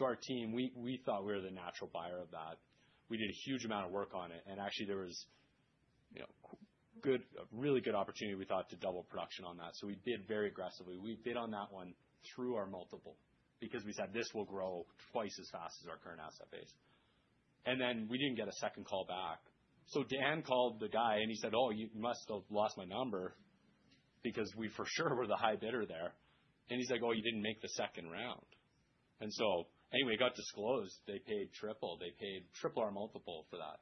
C: Our team thought we were the natural buyer of that. We did a huge amount of work on it. Actually, there was a really good opportunity, we thought, to double production on that. We bid very aggressively. We bid on that one through our multiple because we said, "This will grow twice as fast as our current asset base." We did not get a second call back. Dan called the guy, and he said, "Oh, you must have lost my number because we for sure were the high bidder there." He said, "Oh, you did not make the second round." Anyway, it got disclosed. They paid triple. They paid triple our multiple for that.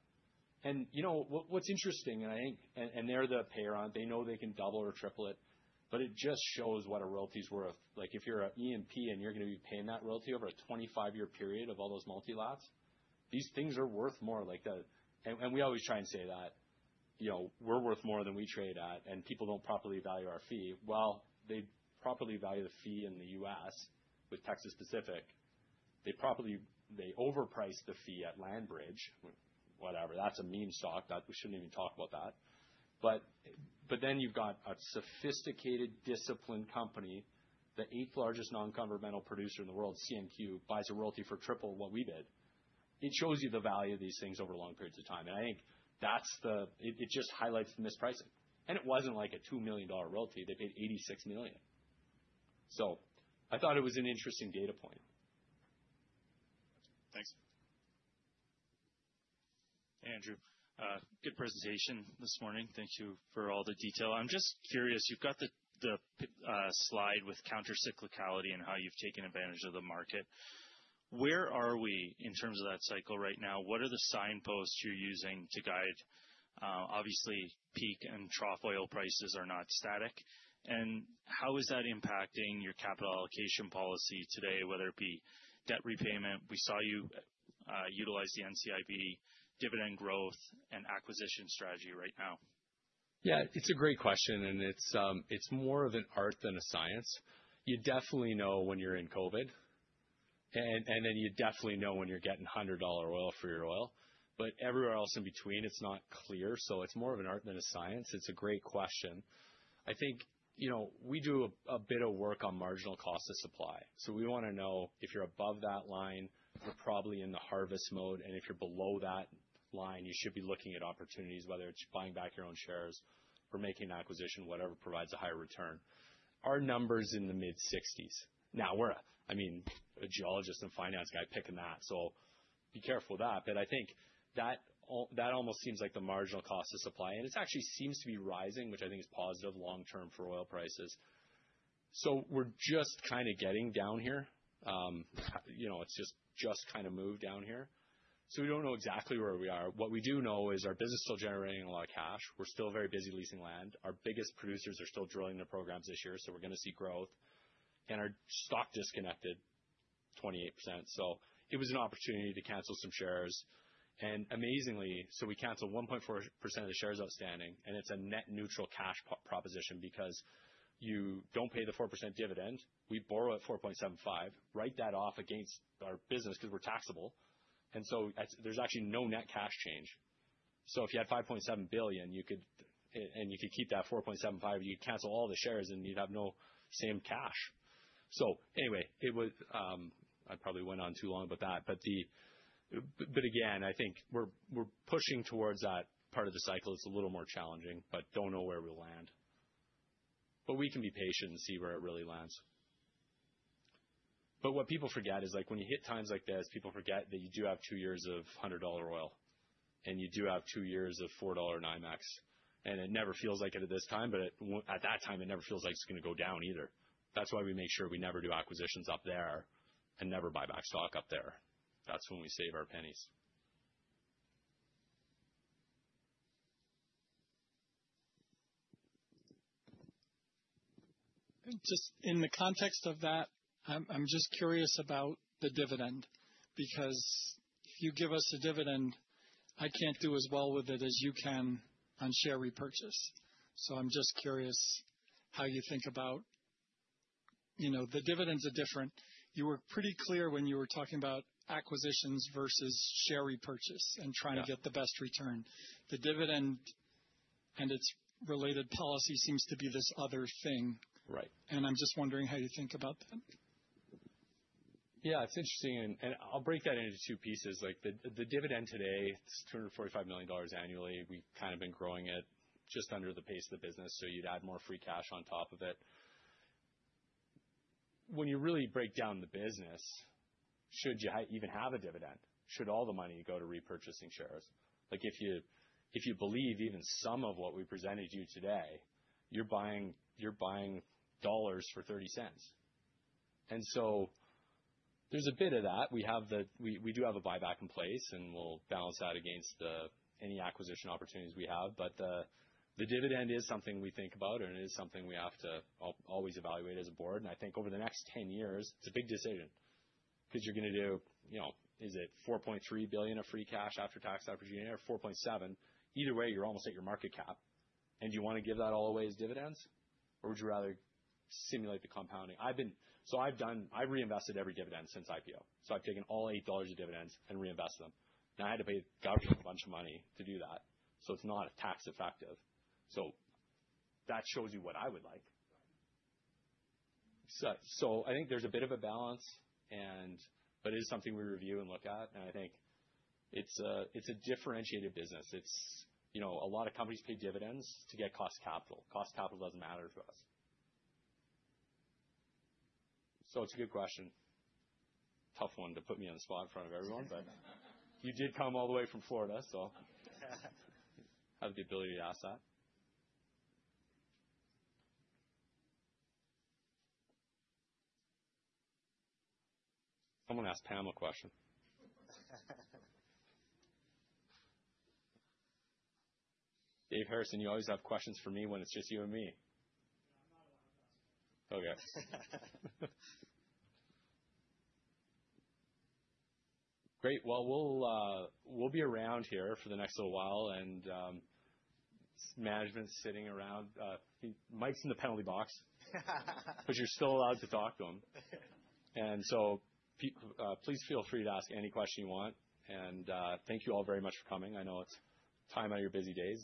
C: You know what is interesting, and they are the payer on it. They know they can double or triple it, but it just shows what a royalty is worth. Like if you're an E&P and you're going to be paying that royalty over a 25-year period of all those multi-lots, these things are worth more. We always try and say that we're worth more than we trade at, and people don't properly value our fee. They properly value the fee in the U.S. with Texas Pacific. They overpriced the fee at Landbridge, whatever. That's a meme stock. We shouldn't even talk about that. You have a sophisticated, disciplined company. The eighth largest non-governmental producer in the world, C&Q, buys a royalty for triple what we bid. It shows you the value of these things over long periods of time. I think it just highlights the mispricing. It wasn't like a $2 million royalty. They paid 86 million. I thought it was an interesting data point.
K: Thanks. Hey, Andrew. Good presentation this morning. Thank you for all the detail. I'm just curious. You've got the slide with countercyclicality and how you've taken advantage of the market. Where are we in terms of that cycle right now? What are the signposts you're using to guide? Obviously, peak and trough oil prices are not static. How is that impacting your capital allocation policy today, whether it be debt repayment? We saw you utilize the NCIB, dividend growth, and acquisition strategy right now. Yeah. It's a great question, and it's more of an art than a science. You definitely know when you're in COVID, and then you definitely know when you're getting $100 oil for your oil. Everywhere else in between, it's not clear. It's more of an art than a science. It's a great question. I think we do a bit of work on marginal cost of supply.
A: We want to know if you're above that line, you're probably in the harvest mode. If you're below that line, you should be looking at opportunities, whether it's buying back your own shares or making an acquisition, whatever provides a higher return. Our number's in the mid-60s. Now, I mean, a geologist and finance guy picking that, so be careful of that. I think that almost seems like the marginal cost of supply. It actually seems to be rising, which I think is positive long-term for oil prices. We're just kind of getting down here. It's just kind of moved down here. We don't know exactly where we are. What we do know is our business is still generating a lot of cash. We're still very busy leasing land. Our biggest producers are still drilling their programs this year, so we're going to see growth. Our stock disconnected 28%. It was an opportunity to cancel some shares. Amazingly, we canceled 1.4% of the shares outstanding, and it's a net neutral cash proposition because you do not pay the 4% dividend. We borrow at 4.75%, write that off against our business because we're taxable, and so there's actually no net cash change. If you had 5.7 billion, and you could keep that 4.75%, you could cancel all the shares, and you'd have no same cash. Anyway, I probably went on too long about that. Again, I think we're pushing towards that part of the cycle. It's a little more challenging, but do not know where we'll land. We can be patient and see where it really lands. What people forget is when you hit times like this, people forget that you do have two years of $100 oil, and you do have two years of $4 NYMEX. It never feels like it at this time, but at that time, it never feels like it is going to go down either. That is why we make sure we never do acquisitions up there and never buy back stock up there. That is when we save our pennies.
K: Just in the context of that, I am just curious about the dividend because if you give us a dividend, I cannot do as well with it as you can on share repurchase. I am just curious how you think about the dividends are different. You were pretty clear when you were talking about acquisitions versus share repurchase and trying to get the best return. The dividend and its related policy seems to be this other thing. I'm just wondering how you think about that.
A: Yeah, it's interesting. I'll break that into two pieces. The dividend today is 245 million dollars annually. We've kind of been growing it just under the pace of the business, so you'd add more free cash on top of it. When you really break down the business, should you even have a dividend? Should all the money go to repurchasing shares? If you believe even some of what we presented you today, you're buying dollars for 30 cents. There's a bit of that. We do have a buyback in place, and we'll balance that against any acquisition opportunities we have. The dividend is something we think about, and it is something we have to always evaluate as a board. I think over the next 10 years, it's a big decision because you're going to do, is it 4.3 billion of free cash after tax after June or 4.7 billion? Either way, you're almost at your market cap. Do you want to give that all away as dividends, or would you rather simulate the compounding? I've reinvested every dividend since IPO. I've taken all $8 of dividends and reinvested them. Now, I had to pay Govtree a bunch of money to do that. It's not tax-effective. That shows you what I would like. I think there's a bit of a balance, but it is something we review and look at. I think it's a differentiated business. A lot of companies pay dividends to get cost capital. Cost capital doesn't matter to us. It's a good question. Tough one to put me on the spot in front of everyone, but you did come all the way from Florida, so I have the ability to ask that. Someone asked Pam a question. Dave Harrison, you always have questions for me when it's just you and me. I'm not allowed to ask questions. Great. We'll be around here for the next little while, and management's sitting around. Mike's in the penalty box, but you're still allowed to talk to him. Please feel free to ask any question you want. Thank you all very much for coming. I know it's time out of your busy days.